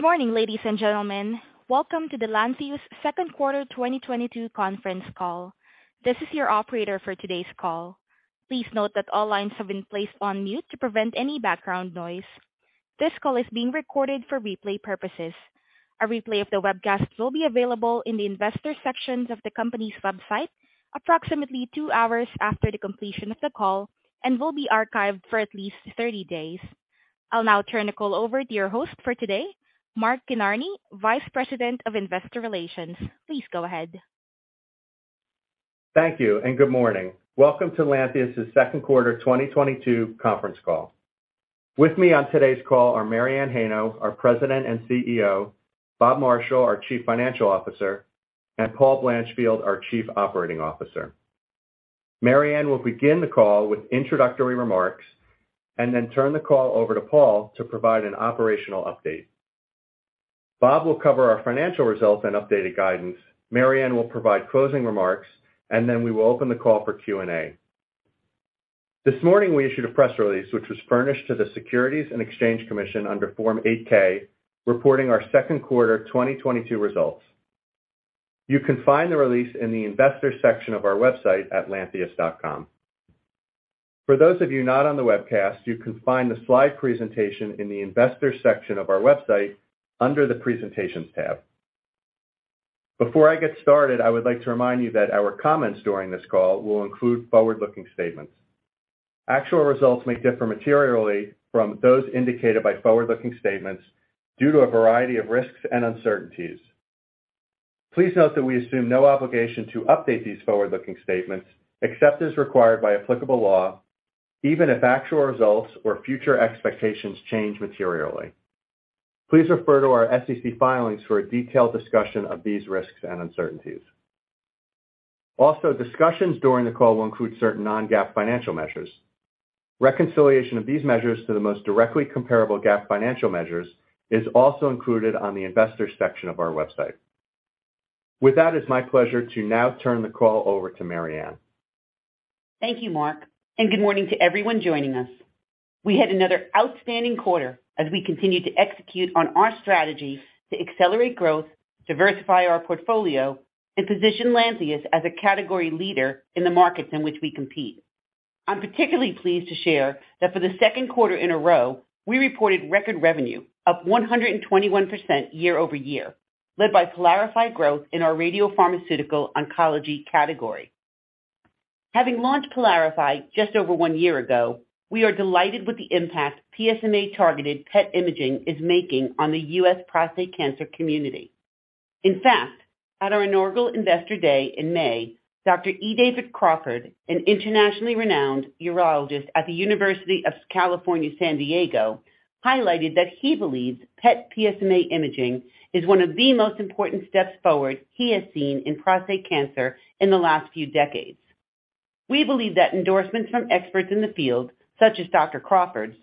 Good morning, ladies and gentlemen. Welcome to the Lantheus second quarter 2022 conference call. This is your operator for today's call. Please note that all lines have been placed on mute to prevent any background noise. This call is being recorded for replay purposes. A replay of the webcast will be available in the Investor sections of the company's website approximately two hours after the completion of the call and will be archived for at least 30 days. I'll now turn the call over to your host for today, Mark Kinarney, Vice President of Investor Relations. Please go ahead. Thank you and good morning. Welcome to Lantheus's second quarter 2022 conference call. With me on today's call are Mary Anne Heino, our President and CEO, Bob Marshall, our Chief Financial Officer, and Paul Blanchfield, our Chief Operating Officer. Mary Anne will begin the call with introductory remarks and then turn the call over to Paul to provide an operational update. Bob will cover our financial results and updated guidance. Mary Anne will provide closing remarks, and then we will open the call for Q&A. This morning, we issued a press release which was furnished to the Securities and Exchange Commission under Form 8-K reporting our second quarter 2022 results. You can find the release in the Investor section of our website at lantheus.com. For those of you not on the webcast, you can find the slide presentation in the Investor section of our website under the Presentations tab. Before I get started, I would like to remind you that our comments during this call will include forward-looking statements. Actual results may differ materially from those indicated by forward-looking statements due to a variety of risks and uncertainties. Please note that we assume no obligation to update these forward-looking statements except as required by applicable law, even if actual results or future expectations change materially. Please refer to our SEC filings for a detailed discussion of these risks and uncertainties. Also, discussions during the call will include certain non-GAAP financial measures. Reconciliation of these measures to the most directly comparable GAAP financial measures is also included on the Investor section of our website. With that, it's my pleasure to now turn the call over to Mary Anne. Thank you, Mark, and good morning to everyone joining us. We had another outstanding quarter as we continued to execute on our strategy to accelerate growth, diversify our portfolio, and position Lantheus as a category leader in the markets in which we compete. I'm particularly pleased to share that for the second quarter in a row, we reported record revenue up 121% year-over-year, led by PYLARIFY growth in our radiopharmaceutical oncology category. Having launched PYLARIFY just over one year ago, we are delighted with the impact PSMA targeted PET imaging is making on the U.S. prostate cancer community. In fact, at our inaugural Investor Day in May, Dr. E. David Crawford, an internationally renowned urologist at the University of California San Diego, highlighted that he believes PET PSMA imaging is one of the most important steps forward he has seen in prostate cancer in the last few decades. We believe that endorsements from experts in the field, such as Dr. Crawford's,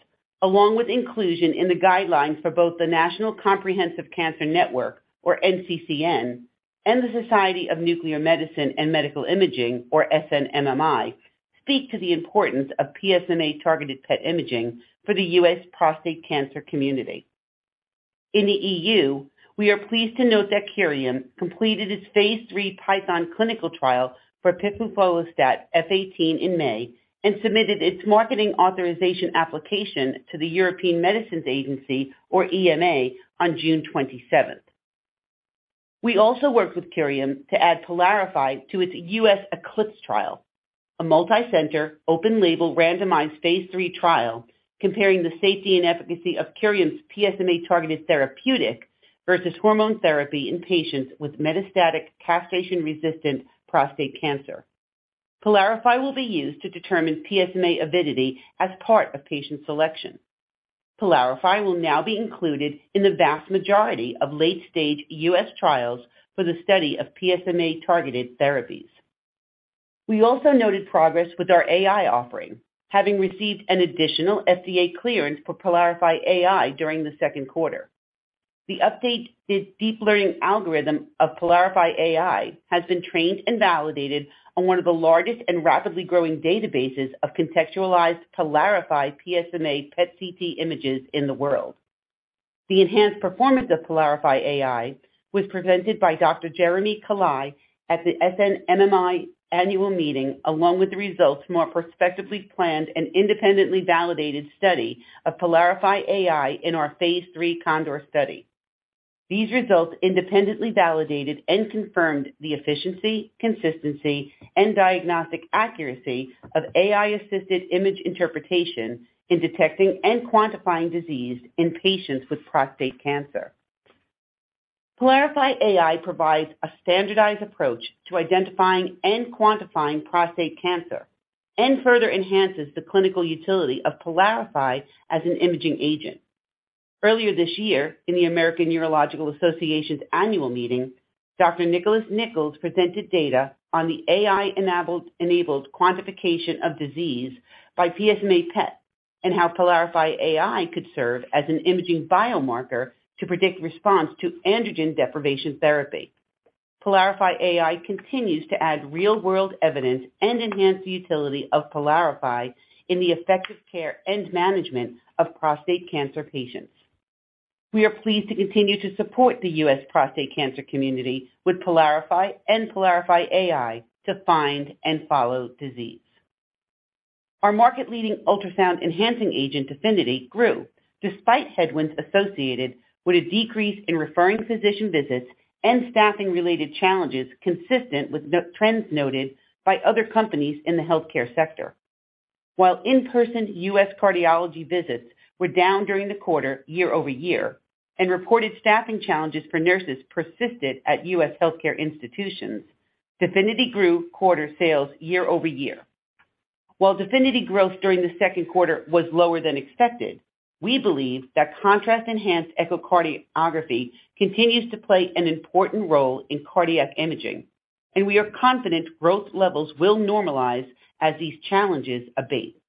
along with inclusion in the guidelines for both the National Comprehensive Cancer Network, or NCCN, and the Society of Nuclear Medicine and Molecular Imaging, or SNMMI, speak to the importance of PSMA targeted PET imaging for the U.S. prostate cancer community. In the E.U., we are pleased to note that Curium completed its phase III PYTHON clinical trial for piflufolastat F18 in May and submitted its marketing authorization application to the European Medicines Agency or EMA on June twenty-seventh. We also worked with Curium to add PYLARIFY to its U.S. ECLIPSE trial, a multicenter, open-label randomized phase III trial comparing the safety and efficacy of Curium's PSMA-targeted therapeutic versus hormone therapy in patients with metastatic castration-resistant prostate cancer. PYLARIFY will be used to determine PSMA avidity as part of patient selection. PYLARIFY will now be included in the vast majority of late-stage U.S. trials for the study of PSMA-targeted therapies. We also noted progress with our AI offering, having received an additional FDA clearance for PYLARIFY AI during the second quarter. The updated deep learning algorithm of PYLARIFY AI has been trained and validated on one of the largest and rapidly growing databases of contextualized PYLARIFY PSMA PET CT images in the world. The enhanced performance of PYLARIFY AI was presented by Dr. Jeremie Calais at the SNMMI annual meeting, along with the results from our prospectively planned and independently validated study of PYLARIFY AI in our phase III CONDOR study. These results independently validated and confirmed the efficiency, consistency, and diagnostic accuracy of AI-assisted image interpretation in detecting and quantifying disease in patients with prostate cancer. PYLARIFY AI provides a standardized approach to identifying and quantifying prostate cancer and further enhances the clinical utility of PYLARIFY as an imaging agent. Earlier this year, in the American Urological Association's annual meeting, Dr. Nicholas Nickols presented data on the AI-enabled quantification of disease by PSMA PET and how PYLARIFY AI could serve as an imaging biomarker to predict response to androgen deprivation therapy. PYLARIFY AI continues to add real-world evidence and enhance the utility of PYLARIFY in the effective care and management of prostate cancer patients. We are pleased to continue to support the U.S. prostate cancer community with PYLARIFY and PYLARIFY AI to find and follow disease. Our market-leading ultrasound enhancing agent, DEFINITY, grew despite headwinds associated with a decrease in referring physician visits and staffing-related challenges consistent with the trends noted by other companies in the healthcare sector. While in-person U.S. cardiology visits were down during the quarter year-over-year and reported staffing challenges for nurses persisted at U.S. healthcare institutions, DEFINITY grew quarter sales year-over-year. While DEFINITY growth during the second quarter was lower than expected, we believe that contrast-enhanced echocardiography continues to play an important role in cardiac imaging, and we are confident growth levels will normalize as these challenges abate.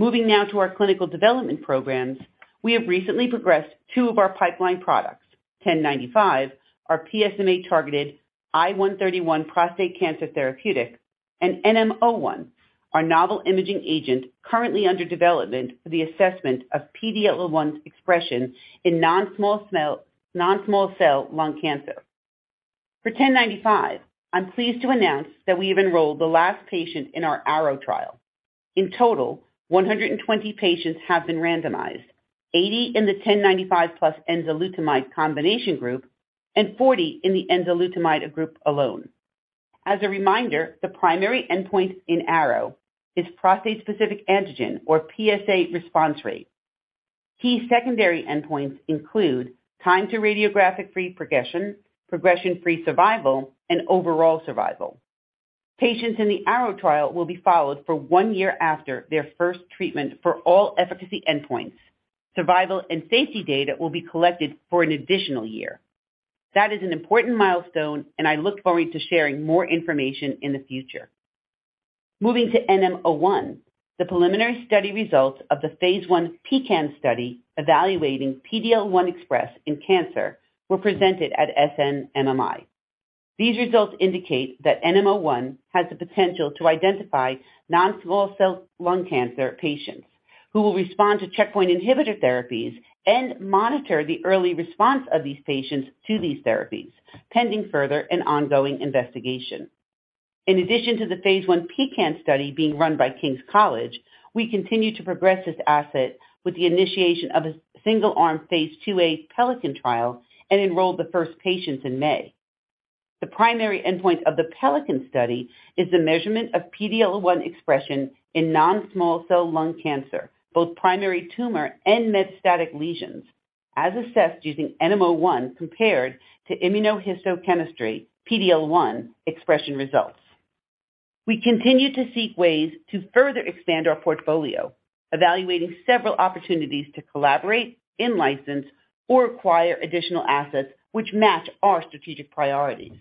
Moving now to our clinical development programs. We have recently progressed two of our pipeline products. Ten ninety-five, our PSMA-targeted I-131 prostate cancer therapeutic, and NM01, our novel imaging agent currently under development for the assessment of PD-L1 expression in non-small cell lung cancer. For ten ninety-five, I'm pleased to announce that we have enrolled the last patient in our ARROW trial. In total, 120 patients have been randomized. Eighty in the 10.95%+ enzalutamide combination group and 40 in the enzalutamide group alone. As a reminder, the primary endpoint in ARROW is prostate-specific antigen, or PSA, response rate. Key secondary endpoints include time to radiographic-free progression-free survival, and overall survival. Patients in the ARROW trial will be followed for 1 year after their first treatment for all efficacy endpoints. Survival and safety data will be collected for an additional year. That is an important milestone, and I look forward to sharing more information in the future. Moving to NM01, the preliminary study results of the phase I PECAN study evaluating PD-L1 expression in cancer were presented at SNMMI. These results indicate that NM01 has the potential to identify non-small cell lung cancer patients who will respond to checkpoint inhibitor therapies and monitor the early response of these patients to these therapies, pending further and ongoing investigation. In addition to the phase I PECAN study being run by King's College, we continue to progress this asset with the initiation of a single-arm phase II-A PELICAN trial and enrolled the first patients in May. The primary endpoint of the PELICAN study is the measurement of PD-L1 expression in non-small cell lung cancer, both primary tumor and metastatic lesions, as assessed using NM01 compared to immunohistochemistry PD-L1 expression results. We continue to seek ways to further expand our portfolio, evaluating several opportunities to collaborate, in-license, or acquire additional assets which match our strategic priorities.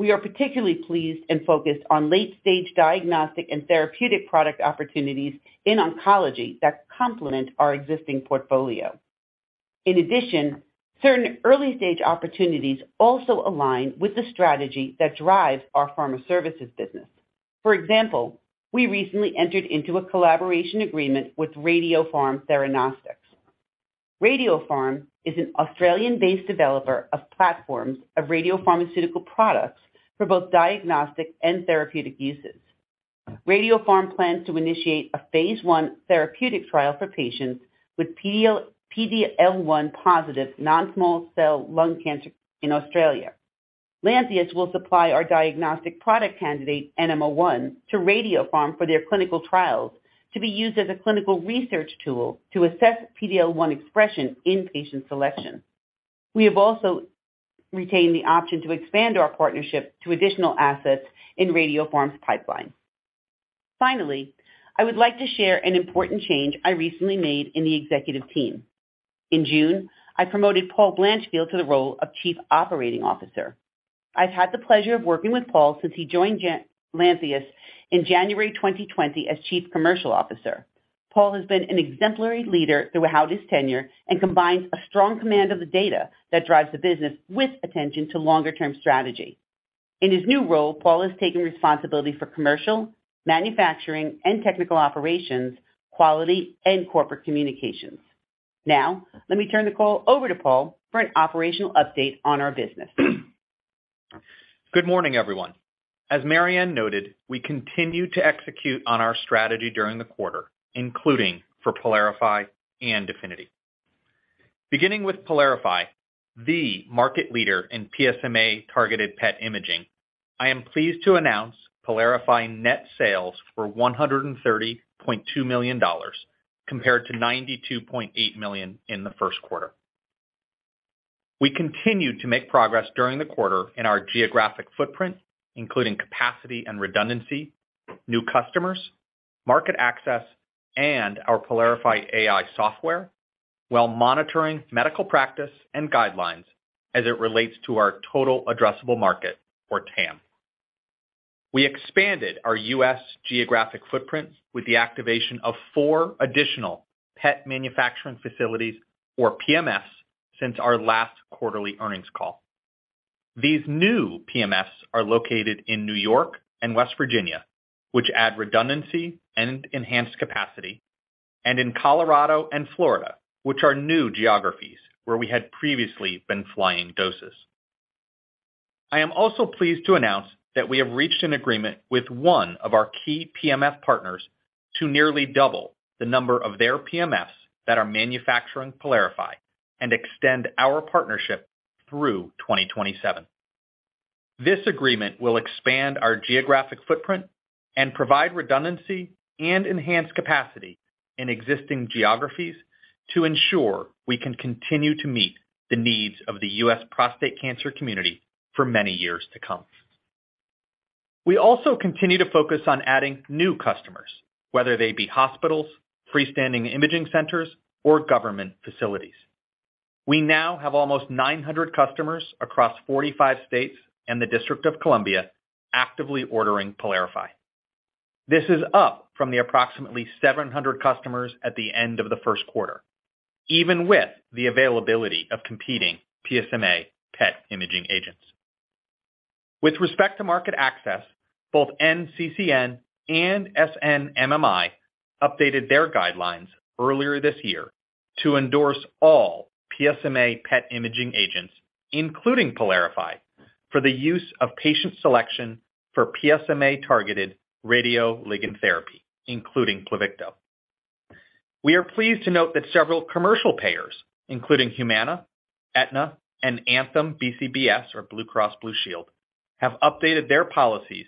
We are particularly pleased and focused on late-stage diagnostic and therapeutic product opportunities in oncology that complement our existing portfolio. In addition, certain early-stage opportunities also align with the strategy that drives our pharma services business. For example, we recently entered into a collaboration agreement with Radiopharm Theranostics. Radiopharm is an Australian-based developer of platforms of radiopharmaceutical products for both diagnostic and therapeutic uses. Radiopharm plans to initiate a phase one therapeutic trial for patients with PD-L1-positive non-small cell lung cancer in Australia. Lantheus will supply our diagnostic product candidate, NM01, to Radiopharm for their clinical trials to be used as a clinical research tool to assess PD-L1 expression in patient selection. We have also retained the option to expand our partnership to additional assets in Radiopharm's pipeline. Finally, I would like to share an important change I recently made in the executive team. In June, I promoted Paul Blanchfield to the role of Chief Operating Officer. I've had the pleasure of working with Paul since he joined Lantheus in January 2020 as Chief Commercial Officer. Paul has been an exemplary leader throughout his tenure and combines a strong command of the data that drives the business with attention to longer-term strategy. In his new role, Paul is taking responsibility for commercial, manufacturing and technical operations, quality, and corporate communications. Now, let me turn the call over to Paul for an operational update on our business. Good morning, everyone. As Mary Anne noted, we continue to execute on our strategy during the quarter, including for PYLARIFY and DEFINITY. Beginning with PYLARIFY, the market leader in PSMA-targeted PET imaging, I am pleased to announce PYLARIFY net sales for $130.2 million compared to $92.8 million in the first quarter. We continued to make progress during the quarter in our geographic footprint, including capacity and redundancy, new customers, market access, and our PYLARIFY AI software, while monitoring medical practice and guidelines as it relates to our total addressable market or TAM. We expanded our U.S. geographic footprint with the activation of four additional PET manufacturing facilities or PMFs since our last quarterly earnings call. These new PMFs are located in New York and West Virginia, which add redundancy and enhanced capacity, and in Colorado and Florida, which are new geographies where we had previously been flying doses. I am also pleased to announce that we have reached an agreement with one of our key PMF partners to nearly double the number of their PMFs that are manufacturing PYLARIFY and extend our partnership through 2027. This agreement will expand our geographic footprint and provide redundancy and enhance capacity in existing geographies to ensure we can continue to meet the needs of the U.S. prostate cancer community for many years to come. We also continue to focus on adding new customers, whether they be hospitals, freestanding imaging centers or government facilities. We now have almost 900 customers across 45 states and the District of Columbia actively ordering PYLARIFY. This is up from the approximately 700 customers at the end of the first quarter, even with the availability of competing PSMA PET imaging agents. With respect to market access, both NCCN and SNMMI updated their guidelines earlier this year to endorse all PSMA PET imaging agents, including PYLARIFY, for the use of patient selection for PSMA-targeted radioligand therapy, including Pluvicto. We are pleased to note that several commercial payers, including Humana, Aetna, and Anthem BCBS or Blue Cross Blue Shield, have updated their policies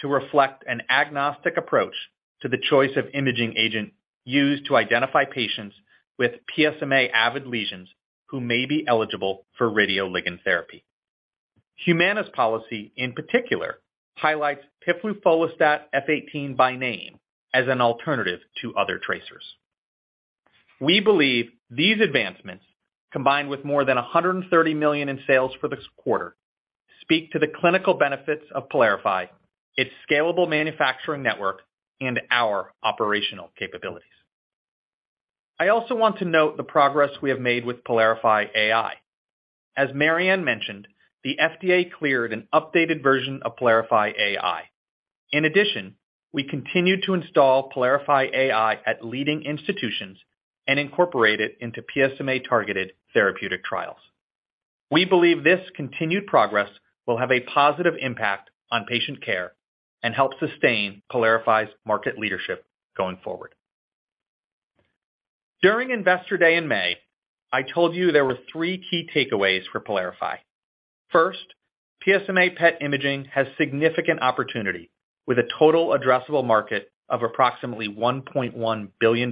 to reflect an agnostic approach to the choice of imaging agent used to identify patients with PSMA-avid lesions who may be eligible for radioligand therapy. Humana's policy in particular highlights piflufolastat F18 by name as an alternative to other tracers. We believe these advancements, combined with more than $130 million in sales for this quarter, speak to the clinical benefits of PYLARIFY, its scalable manufacturing network, and our operational capabilities. I also want to note the progress we have made with PYLARIFY AI. As Mary Anne mentioned, the FDA cleared an updated version of PYLARIFY AI. In addition, we continue to install PYLARIFY AI at leading institutions and incorporate it into PSMA-targeted therapeutic trials. We believe this continued progress will have a positive impact on patient care and help sustain PYLARIFY's market leadership going forward. During Investor Day in May, I told you there were three key takeaways for PYLARIFY. First, PSMA PET imaging has significant opportunity with a total addressable market of approximately $1.1 billion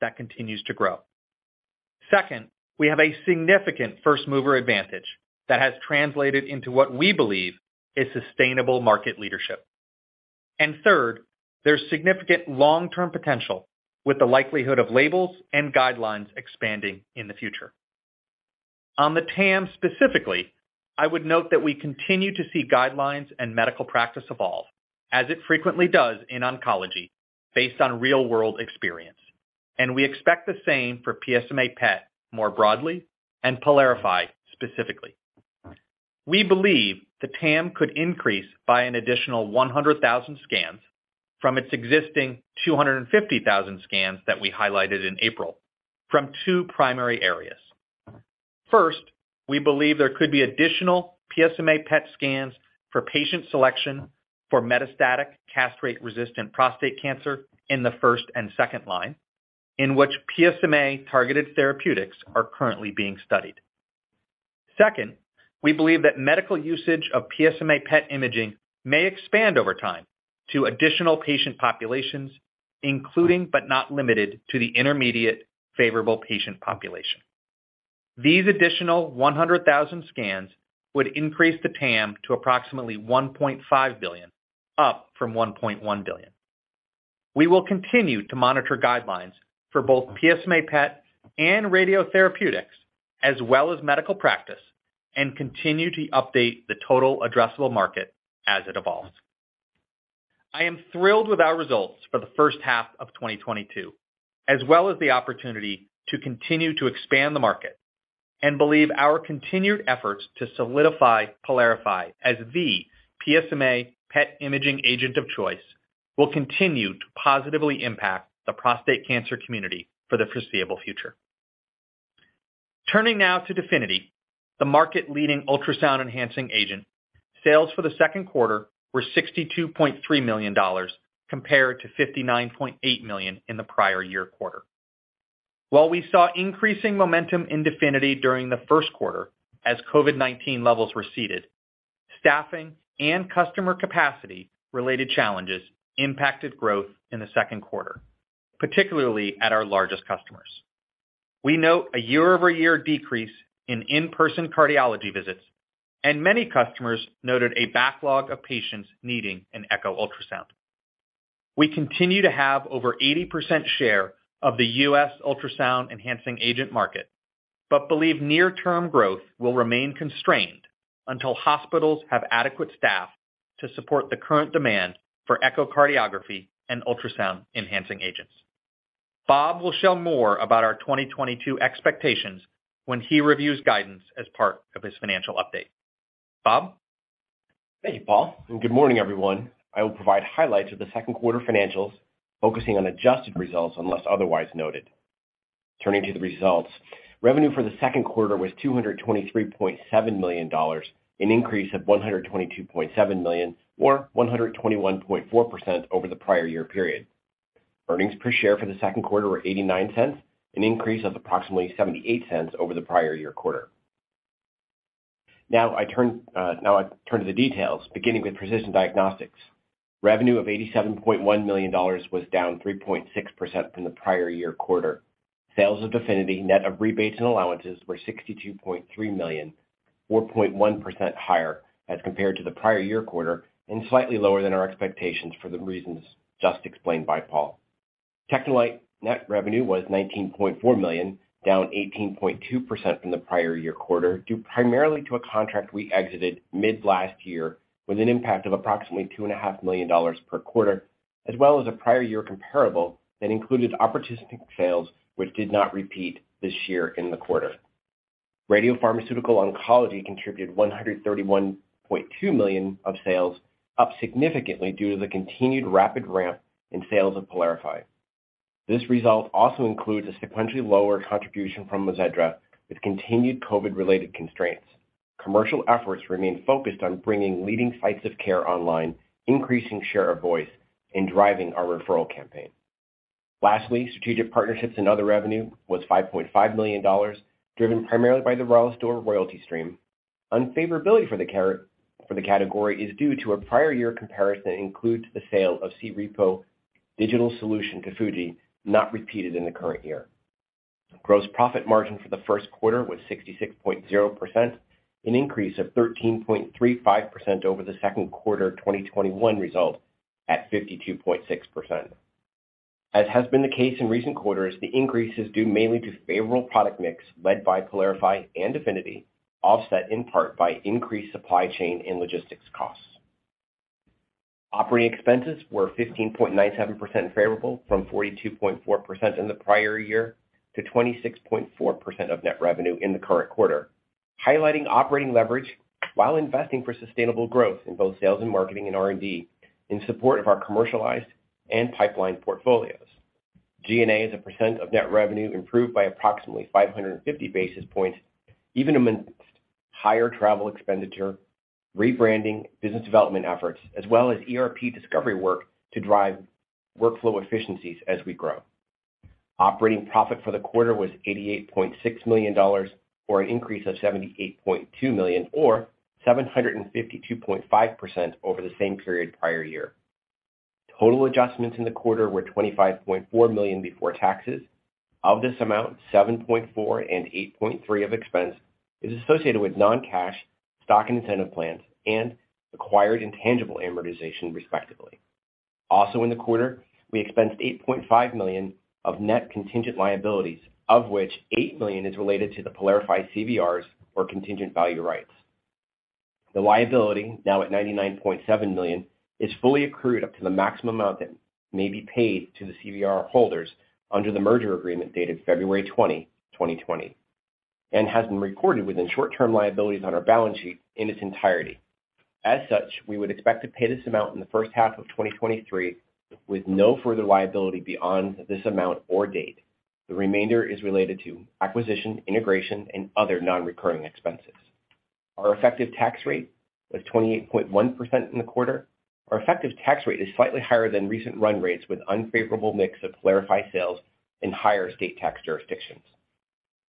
that continues to grow. Second, we have a significant first mover advantage that has translated into what we believe is sustainable market leadership. Third, there's significant long-term potential with the likelihood of labels and guidelines expanding in the future. On the TAM specifically, I would note that we continue to see guidelines and medical practice evolve as it frequently does in oncology based on real-world experience. We expect the same for PSMA PET more broadly and PYLARIFY specifically. We believe the TAM could increase by an additional 100,000 scans from its existing 250,000 scans that we highlighted in April from two primary areas. First, we believe there could be additional PSMA PET scans for patient selection for metastatic castration-resistant prostate cancer in the first and second line in which PSMA-targeted therapeutics are currently being studied. Second, we believe that medical usage of PSMA PET imaging may expand over time to additional patient populations, including but not limited to the intermediate favorable patient population. These additional 100,000 scans would increase the TAM to approximately $1.5 billion, up from $1.1 billion. We will continue to monitor guidelines for both PSMA PET and radiotherapeutics, as well as medical practice, and continue to update the total addressable market as it evolves. I am thrilled with our results for the first half of 2022, as well as the opportunity to continue to expand the market and believe our continued efforts to solidify PYLARIFY as the PSMA PET imaging agent of choice will continue to positively impact the prostate cancer community for the foreseeable future. Turning now to DEFINITY, the market-leading ultrasound enhancing agent, sales for the second quarter were $62.3 million compared to $59.8 million in the prior year quarter. While we saw increasing momentum in DEFINITY during the first quarter as COVID-19 levels receded, staffing and customer capacity related challenges impacted growth in the second quarter, particularly at our largest customers. We note a year-over-year decrease in in-person cardiology visits, and many customers noted a backlog of patients needing an echo ultrasound. We continue to have over 80% share of the U.S. ultrasound enhancing agent market, but believe near term growth will remain constrained until hospitals have adequate staff to support the current demand for echocardiography and ultrasound enhancing agents. Bob will share more about our 2022 expectations when he reviews guidance as part of his financial update. Bob. Thank you, Paul, and good morning, everyone. I will provide highlights of the second quarter financials, focusing on adjusted results unless otherwise noted. Turning to the results. Revenue for the second quarter was $223.7 million, an increase of $122.7 million, or 121.4% over the prior year period. Earnings per share for the second quarter were $0.89, an increase of approximately $0.78 over the prior year quarter. Now I turn to the details, beginning with precision diagnostics. Revenue of $87.1 million was down 3.6% from the prior year quarter. Sales of DEFINITY, net of rebates and allowances, were $62.3 million, 4.1% higher as compared to the prior year quarter and slightly lower than our expectations for the reasons just explained by Paul. Technolite net revenue was $19.4 million, down 18.2% from the prior year quarter, due primarily to a contract we exited mid last year with an impact of approximately $2.5 million per quarter, as well as a prior year comparable that included opportunistic sales which did not repeat this year in the quarter. Radiopharmaceutical oncology contributed $131.2 million of sales, up significantly due to the continued rapid ramp in sales of PYLARIFY. This result also includes a sequentially lower contribution from Moziedra with continued COVID-related constraints. Commercial efforts remain focused on bringing leading sites of care online, increasing share of voice in driving our referral campaign. Lastly, strategic partnerships and other revenue was $5.5 million, driven primarily by the RELISTOR royalty stream. Unfavorability for the category is due to a prior year comparison that includes the sale of C-RePo digital solution to FUJI, not repeated in the current year. Gross profit margin for the first quarter was 66.0%, an increase of 13.35% over the second quarter 2021 result at 52.6%. As has been the case in recent quarters, the increase is due mainly to favorable product mix led by PYLARIFY and DEFINITY, offset in part by increased supply chain and logistics costs. Operating expenses were 15.97% favorable, from 42.4% in the prior year to 26.4% of net revenue in the current quarter, highlighting operating leverage while investing for sustainable growth in both sales and marketing and R&D in support of our commercialized and pipeline portfolios. G&A as a percent of net revenue improved by approximately 550 basis points, even amongst higher travel expenditure, rebranding, business development efforts, as well as ERP discovery work to drive workflow efficiencies as we grow. Operating profit for the quarter was $88.6 million, or an increase of $78.2 million, or 752.5% over the same period prior year. Total adjustments in the quarter were $25.4 million before taxes. Of this amount, $7.4 million and $8.3 million of expense is associated with non-cash stock incentive plans and acquired intangible amortization, respectively. Also in the quarter, we expensed $8.5 million of net contingent liabilities, of which $8 million is related to the PYLARIFY CVRs or contingent value rights. The liability, now at $99.7 million, is fully accrued up to the maximum amount that may be paid to the CVR holders under the merger agreement dated February 20, 2020, and has been recorded within short-term liabilities on our balance sheet in its entirety. As such, we would expect to pay this amount in the first half of 2023, with no further liability beyond this amount or date. The remainder is related to acquisition, integration, and other non-recurring expenses. Our effective tax rate was 28.1% in the quarter. Our effective tax rate is slightly higher than recent run rates, with unfavorable mix of PYLARIFY sales in higher state tax jurisdictions.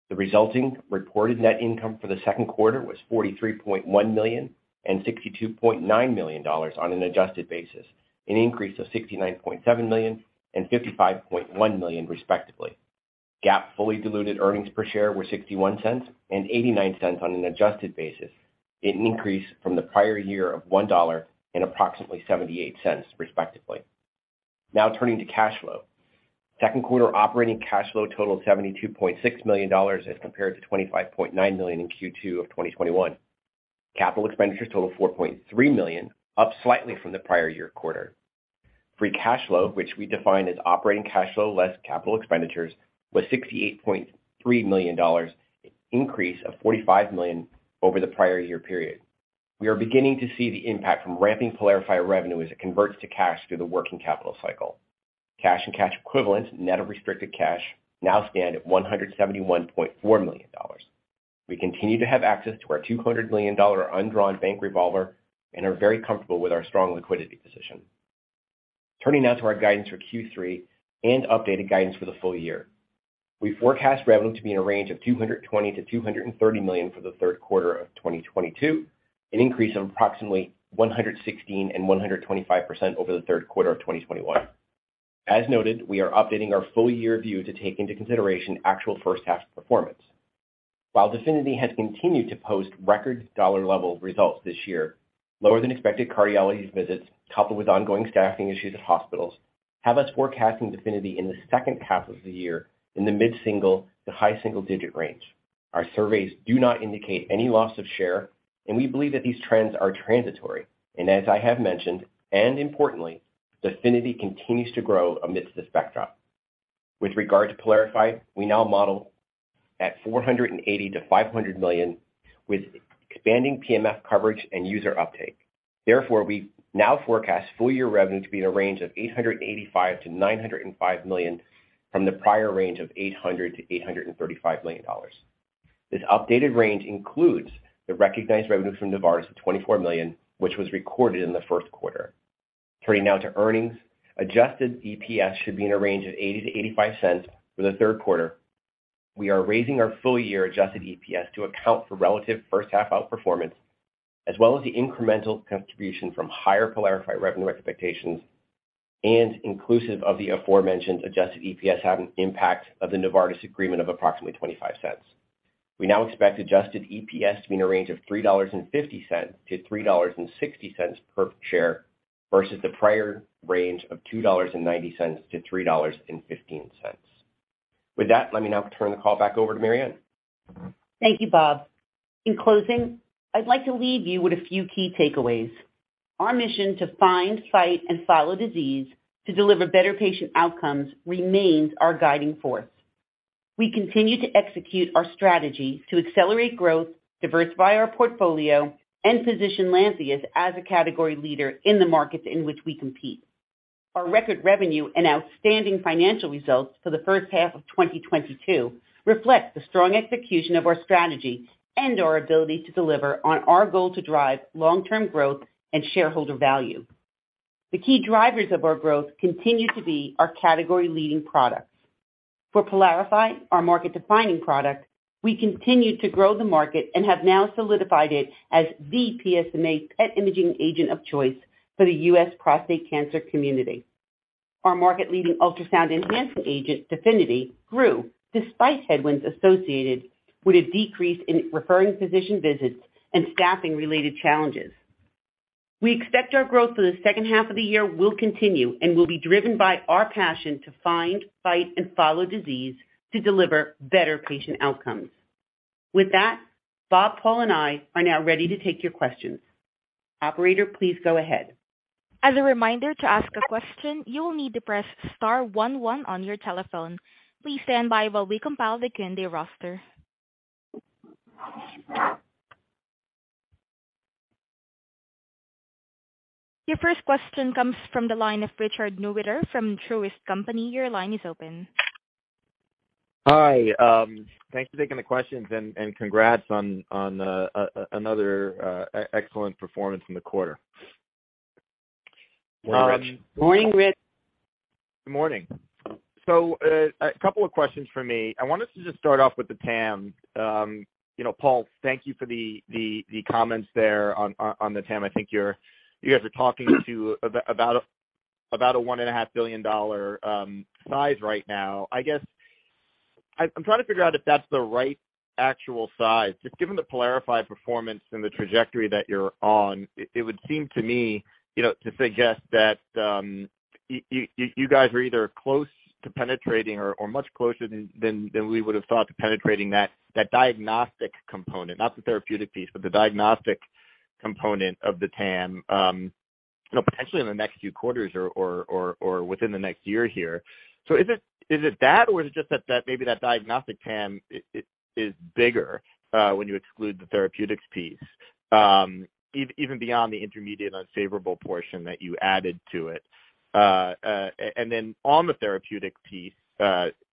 The resulting reported net income for the second quarter was $43.1 million and $62.9 million on an adjusted basis, an increase of $69.7 million and $55.1 million, respectively. GAAP fully diluted earnings per share were $0.61 and $0.89 on an adjusted basis, an increase from the prior year of $1 and approximately $0.78, respectively. Now turning to cash flow. Second quarter operating cash flow totaled $72.6 million as compared to $25.9 million in Q2 of 2021. Capital expenditures totaled $4.3 million, up slightly from the prior year quarter. Free cash flow, which we define as operating cash flow less capital expenditures, was $68.3 million, an increase of $45 million over the prior year period. We are beginning to see the impact from ramping PYLARIFY revenue as it converts to cash through the working capital cycle. Cash and cash equivalents, net of restricted cash, now stand at $171.4 million. We continue to have access to our $200 million undrawn bank revolver and are very comfortable with our strong liquidity position. Turning now to our guidance for Q3 and updated guidance for the full year. We forecast revenue to be in a range of $220 million-$230 million for the third quarter of 2022, an increase of approximately 116%-125% over the third quarter of 2021. As noted, we are updating our full year view to take into consideration actual first half performance. While DEFINITY has continued to post record dollar level results this year, lower than expected cardiology visits, coupled with ongoing staffing issues at hospitals, have us forecasting DEFINITY in the second half of the year in the mid-single-digit% to high single-digit% range. Our surveys do not indicate any loss of share, and we believe that these trends are transitory. As I have mentioned, and importantly, DEFINITY continues to grow amidst this backdrop. With regard to PYLARIFY, we now model at $480 million-$500 million with expanding PMF coverage and user uptake. Therefore, we now forecast full year revenue to be in a range of $885 million-$905 million from the prior range of $800 million-$835 million. This updated range includes the recognized revenue from Novartis of $24 million, which was recorded in the first quarter. Turning now to earnings. Adjusted EPS should be in a range of $0.80-$0.85 for the third quarter. We are raising our full year adjusted EPS to account for relative first half outperformance, as well as the incremental contribution from higher PYLARIFY revenue expectations and inclusive of the aforementioned adjusted EPS having impact of the Novartis agreement of approximately $0.25. We now expect adjusted EPS to be in a range of $3.50-$3.60 per share versus the prior range of $2.90-$3.15. With that, let me now turn the call back over to Mary Anne Heino. Thank you, Bob. In closing, I'd like to leave you with a few key takeaways. Our mission to find, fight, and follow disease to deliver better patient outcomes remains our guiding force. We continue to execute our strategy to accelerate growth, diversify our portfolio, and position Lantheus as a category leader in the markets in which we compete. Our record revenue and outstanding financial results for the first half of 2022 reflect the strong execution of our strategy and our ability to deliver on our goal to drive long-term growth and shareholder value. The key drivers of our growth continue to be our category-leading products. For PYLARIFY, our market-defining product, we continued to grow the market and have now solidified it as the PSMA PET imaging agent of choice for the U.S. prostate cancer community. Our market-leading ultrasound enhancement agent, DEFINITY, grew despite headwinds associated with a decrease in referring physician visits and staffing-related challenges. We expect our growth for the second half of the year will continue and will be driven by our passion to find, fight, and follow disease to deliver better patient outcomes. With that, Bob, Paul, and I are now ready to take your questions. Operator, please go ahead. As a reminder, to ask a question, you will need to press star one one on your telephone. Please stand by while we compile the attendee roster. Your first question comes from the line of Richard Newitter from Truist Company. Your line is open. Hi, thanks for taking the questions and congrats on another excellent performance in the quarter. Morning, Rich. Good morning. A couple of questions from me. I wanted to just start off with the TAM. You know, Paul, thank you for the comments there on the TAM. I think you guys are talking about a $1.5 billion size right now. I guess I'm trying to figure out if that's the right actual size. Just given the PYLARIFY performance and the trajectory that you're on, it would seem to me, you know, to suggest that you guys are either close to penetrating or much closer than we would have thought to penetrating that diagnostic component, not the therapeutic piece, but the diagnostic component of the TAM, you know, potentially in the next few quarters or within the next year here. Is it that or is it just that maybe that diagnostic TAM is bigger when you exclude the therapeutics piece, even beyond the intermediate unfavorable portion that you added to it? And then on the therapeutic piece,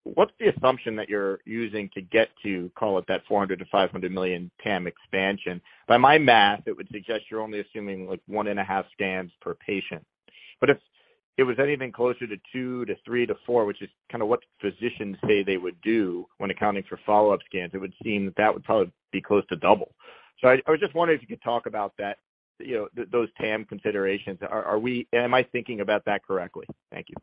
what's the assumption that you're using to get to call it that $400 million-$500 million TAM expansion? By my math, it would suggest you're only assuming like 1.5 scans per patient. But if it was anything closer to 2 to 3 to 4, which is kinda what physicians say they would do when accounting for follow-up scans, it would seem that would probably be close to double. I was just wondering if you could talk about that, you know, those TAM considerations. Am I thinking about that correctly? Thank you.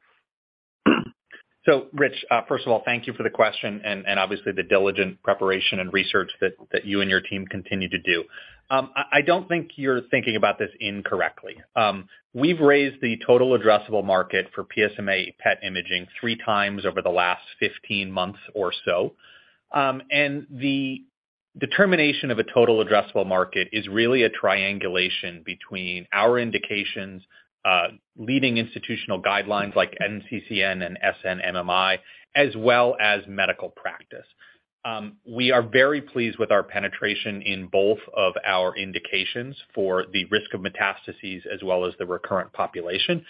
Richard, first of all, thank you for the question and obviously the diligent preparation and research that you and your team continue to do. I don't think you're thinking about this incorrectly. We've raised the total addressable market for PSMA PET imaging three times over the last 15 months or so. The determination of a total addressable market is really a triangulation between our indications, leading institutional guidelines like NCCN and SNMMI, as well as medical practice. We are very pleased with our penetration in both of our indications for the risk of metastases as well as the recurrent population.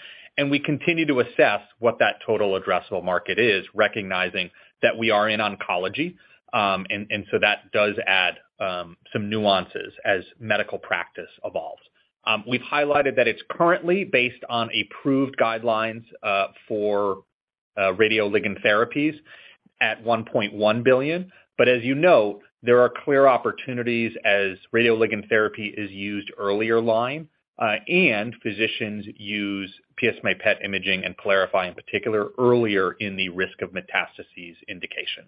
We continue to assess what that total addressable market is, recognizing that we are in oncology, and that does add some nuances as medical practice evolves. We've highlighted that it's currently based on approved guidelines for radioligand therapies at $1.1 billion. As you know, there are clear opportunities as radioligand therapy is used earlier line, and physicians use PSMA PET imaging, and PYLARIFY in particular, earlier in the risk of metastases indication.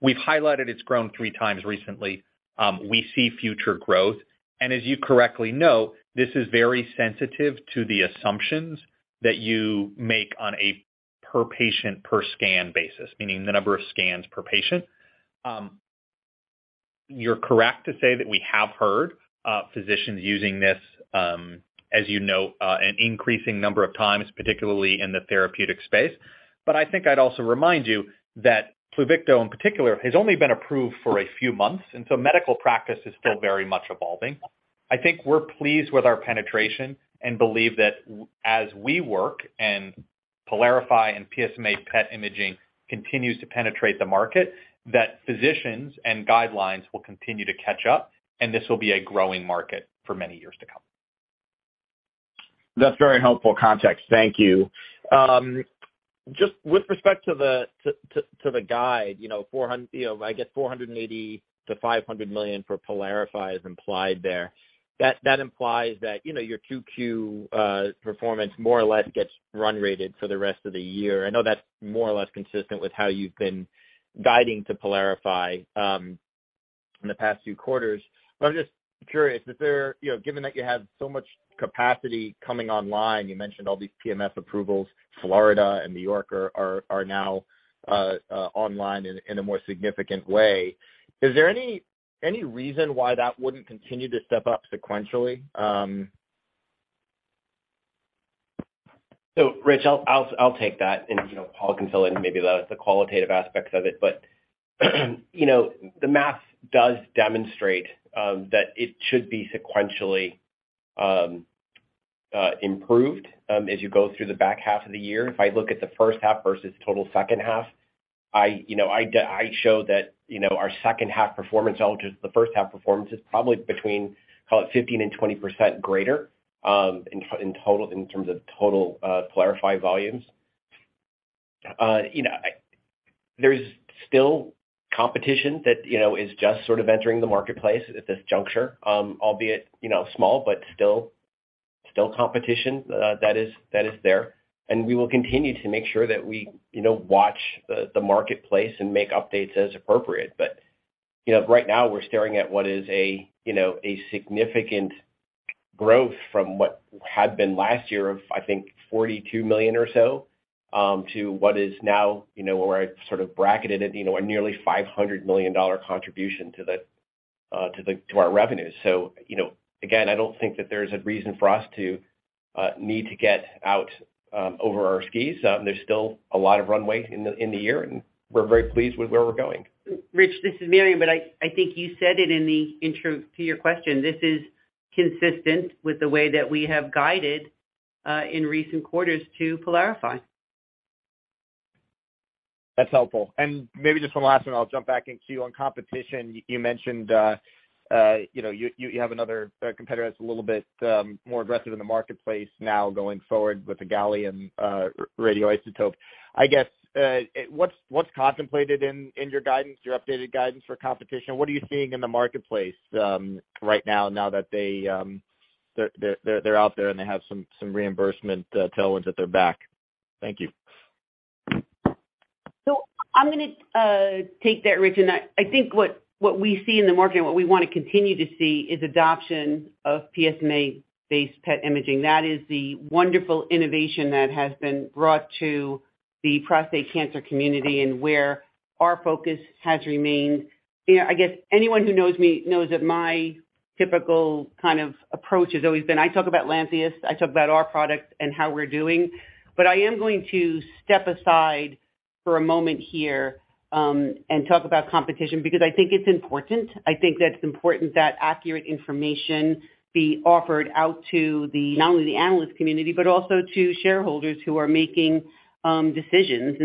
We've highlighted it's grown three times recently. We see future growth. As you correctly note, this is very sensitive to the assumptions that you make on a per patient per scan basis, meaning the number of scans per patient. You're correct to say that we have heard physicians using this, as you know, an increasing number of times, particularly in the therapeutic space. I think I'd also remind you that Pluvicto in particular has only been approved for a few months, and so medical practice is still very much evolving. I think we're pleased with our penetration and believe that as we work and PYLARIFY and PSMA PET imaging continues to penetrate the market, that physicians and guidelines will continue to catch up, and this will be a growing market for many years to come. That's very helpful context. Thank you. Just with respect to the guide, you know, I guess $480 million-$500 million for PYLARIFY is implied there. That implies that, you know, your 2Q performance more or less gets run rated for the rest of the year. I know that's more or less consistent with how you've been guiding to PYLARIFY in the past few quarters. I'm just curious if there, you know, given that you have so much capacity coming online, you mentioned all these PMF approvals, Florida and New York are now online in a more significant way, is there any reason why that wouldn't continue to step up sequentially? Rich, I'll take that, and you know, Paul can fill in maybe the qualitative aspects of it. You know, the math does demonstrate that it should be sequentially improved as you go through the back half of the year. If I look at the first half versus total second half, you know, I show that you know, our second half performance relative to the first half performance is probably between, call it 15%-20% greater in total, in terms of total PYLARIFY volumes. You know, there's still competition that you know, is just sort of entering the marketplace at this juncture, albeit you know, small, but still competition that is there. We will continue to make sure that we, you know, watch the marketplace and make updates as appropriate. You know, right now we're staring at what is a, you know, a significant growth from what had been last year of, I think $42 million or so, to what is now, you know, where I've sort of bracketed it, you know, a nearly $500 million contribution to our revenues. You know, again, I don't think that there's a reason for us to need to get out over our skis. There's still a lot of runway in the year, and we're very pleased with where we're going. Richard, this is Mary, but I think you said it in the intro to your question. This is consistent with the way that we have guided in recent quarters to PYLARIFY. That's helpful. Maybe just one last one, I'll jump back to you on competition. You mentioned, you know, you have another competitor that's a little bit more aggressive in the marketplace now going forward with the gallium radioisotope. I guess, what's contemplated in your guidance, your updated guidance for competition? What are you seeing in the marketplace right now that they're out there, and they have some reimbursement tailwinds at their back? Thank you. I'm gonna take that Rich. I think what we see in the market and what we wanna continue to see is adoption of PSMA-based PET imaging. That is the wonderful innovation that has been brought to the prostate cancer community and where our focus has remained. You know, I guess anyone who knows me knows that my typical kind of approach has always been, I talk about Lantheus, I talk about our products and how we're doing. I am going to step aside for a moment here, and talk about competition because I think it's important. I think that it's important that accurate information be offered out to the, not only the analyst community, but also to shareholders who are making decisions.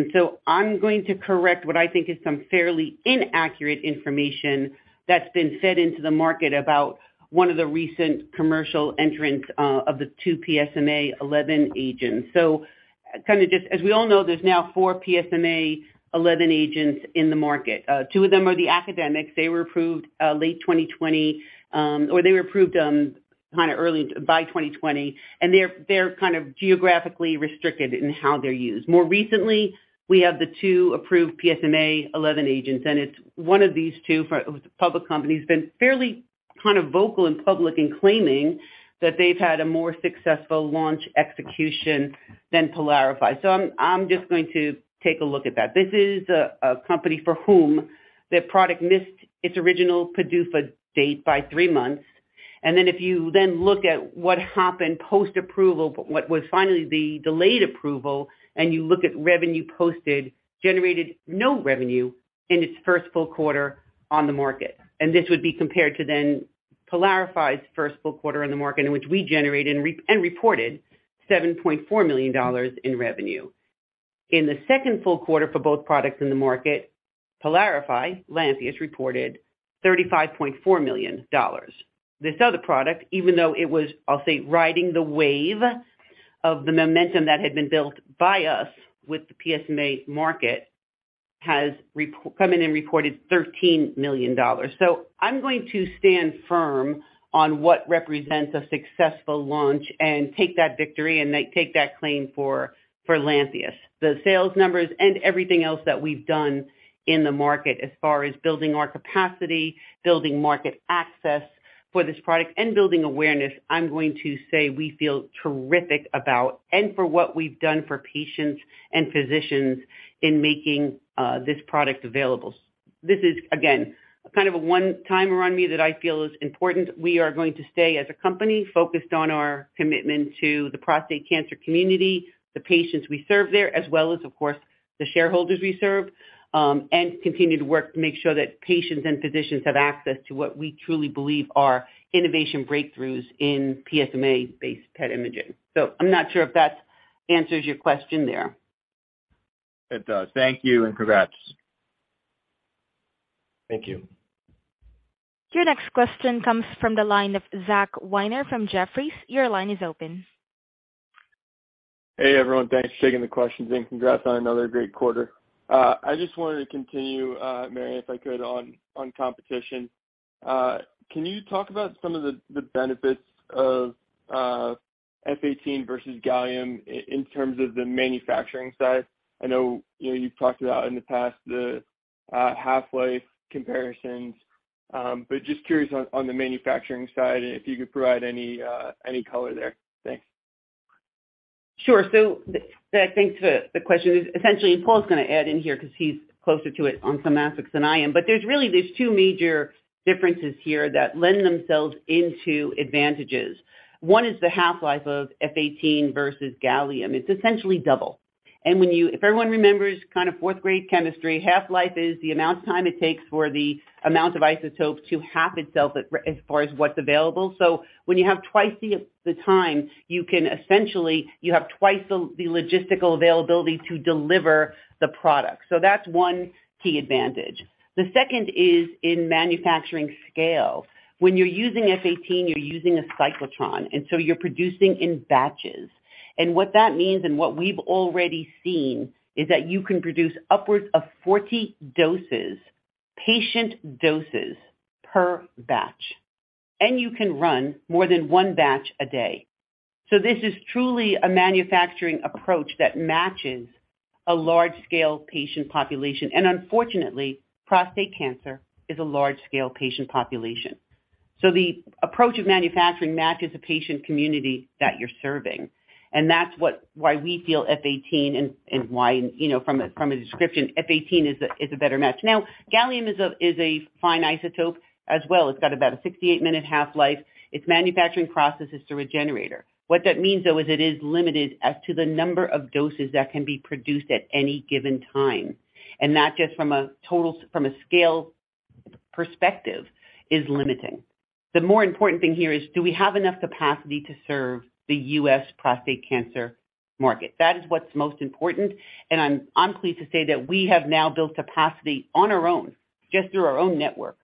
I'm going to correct what I think is some fairly inaccurate information that's been fed into the market about one of the recent commercial entrants of the two PSMA-11 agents. Kind of just as we all know, there's now 4 PSMA-11 agents in the market. Two of them are the academics. They were approved late 2020 or they were approved kind of early in 2020, and they're kind of geographically restricted in how they're used. More recently, we have the two approved PSMA-11 agents, and it's one of these two with the public company has been fairly kind of vocal and public in claiming that they've had a more successful launch execution than PYLARIFY. I'm just going to take a look at that. This is a company for whom their product missed its original PDUFA date by three months. If you then look at what happened post-approval, what was finally the delayed approval, and you look at revenue posted, generated no revenue in its first full quarter on the market. This would be compared to then PYLARIFY's first full quarter on the market in which we generated and reported $7.4 million in revenue. In the second full quarter for both products in the market, PYLARIFY, Lantheus, reported $35.4 million. This other product, even though it was, I'll say, riding the wave of the momentum that had been built by us with the PSMA market, has come in and reported $13 million. I'm going to stand firm on what represents a successful launch and take that victory and take that claim for Lantheus. The sales numbers and everything else that we've done in the market as far as building our capacity, building market access for this product and building awareness, I'm going to say we feel terrific about and for what we've done for patients and physicians in making this product available. This is again, kind of a one-timer on me that I feel is important. We are going to stay as a company focused on our commitment to the prostate cancer community, the patients we serve there, as well as of course, the shareholders we serve, and continue to work to make sure that patients and physicians have access to what we truly believe are innovation breakthroughs in PSMA-based PET imaging. I'm not sure if that answers your question there. It does. Thank you and congrats. Thank you. Your next question comes from the line of Zach Weiner from Jefferies. Your line is open. Hey, everyone. Thanks for taking the questions, and congrats on another great quarter. I just wanted to continue, Mary, if I could, on competition. Can you talk about some of the benefits of F-18 versus gallium in terms of the manufacturing side? I know, you know, you've talked about in the past the half-life comparisons, but just curious on the manufacturing side, if you could provide any color there. Thanks. Thanks for the question. Essentially, Paul's gonna add in here 'cause he's closer to it on Semaxan than I am. There's really two major differences here that lend themselves into advantages. One is the half-life of F-18 versus gallium. It's essentially double. If everyone remembers kind of fourth-grade chemistry, half-life is the amount of time it takes for the amount of isotopes to half itself as far as what's available. When you have twice the time, you can essentially have twice the logistical availability to deliver the product. That's one key advantage. The second is in manufacturing scale. When you're using F-18, you're using a cyclotron, and so you're producing in batches. What that means, and what we've already seen is that you can produce upwards of 40 doses, patient doses per batch, and you can run more than one batch a day. This is truly a manufacturing approach that matches a large-scale patient population. Unfortunately, prostate cancer is a large-scale patient population. The approach of manufacturing matches the patient community that you're serving. That's why we feel F-18 and why, you know, from a description, F-18 is a better match. Now, gallium is a fine isotope as well. It's got about a 68-minute half-life. Its manufacturing process is through a generator. What that means, though, is it is limited as to the number of doses that can be produced at any given time, and not just from a scale perspective is limiting. The more important thing here is do we have enough capacity to serve the U.S. prostate cancer market? That is what's most important. I'm pleased to say that we have now built capacity on our own, just through our own network.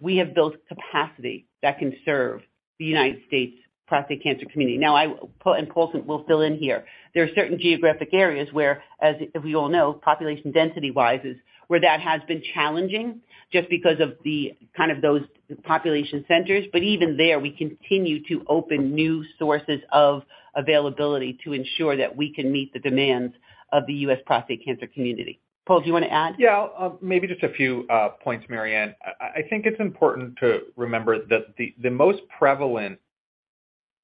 We have built capacity that can serve the United States prostate cancer community. Now, Paul and Bob will fill in here. There are certain geographic areas where, as we all know, population density-wise, is where that has been challenging just because of the kind of those population centers. Even there, we continue to open new sources of availability to ensure that we can meet the demands of the U.S. prostate cancer community. Paul, do you wanna add? Yeah, maybe just a few points, Mary Anne. I think it's important to remember that the most prevalent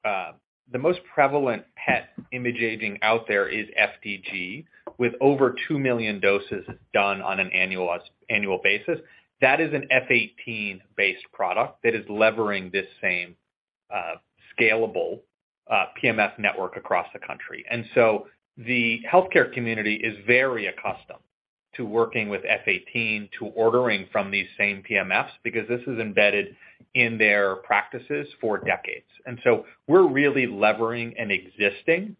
PET imaging out there is FDG, with over 2 million doses done on an annual basis. That is an F-18-based product that is levering this same scalable PMF network across the country. The healthcare community is very accustomed to working with F-18 to ordering from these same PMFs because this is embedded in their practices for decades. We're really levering an existing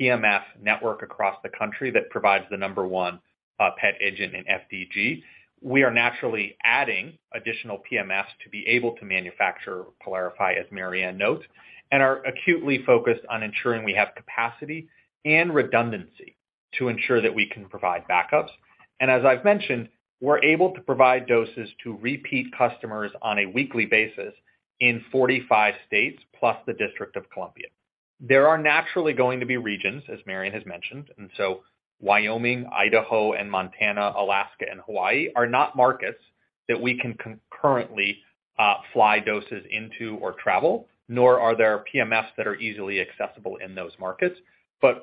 PMF network across the country that provides the number one PET agent in FDG. We are naturally adding additional PMFs to be able to manufacture PYLARIFY, as Mary Anne notes, and are acutely focused on ensuring we have capacity and redundancy to ensure that we can provide backups. As I've mentioned, we're able to provide doses to repeat customers on a weekly basis in 45 states plus the District of Columbia. There are naturally going to be regions, as Mary Anne has mentioned, and so Wyoming, Idaho, and Montana, Alaska, and Hawaii are not markets that we can concurrently fly doses into or travel, nor are there PMFs that are easily accessible in those markets.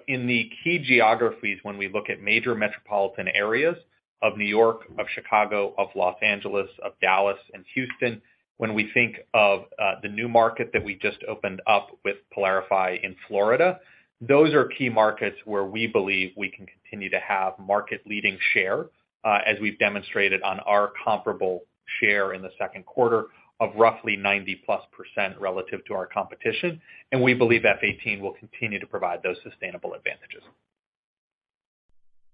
In the key geographies, when we look at major metropolitan areas of New York, of Chicago, of Los Angeles, of Dallas, and Houston, when we think of the new market that we just opened up with PYLARIFY in Florida, those are key markets where we believe we can continue to have market-leading share, as we've demonstrated on our comparable share in the second quarter of roughly 90+% relative to our competition. We believe F-18 will continue to provide those sustainable advantages.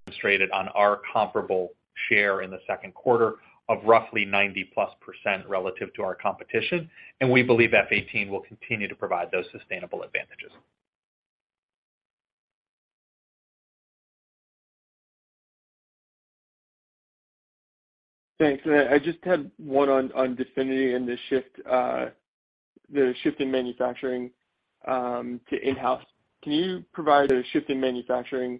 Demonstrated on our comparable share in the second quarter of roughly 90+% relative to our competition. Thanks. I just had one on DEFINITY and the shift in manufacturing to in-house. Can you provide a shift in manufacturing.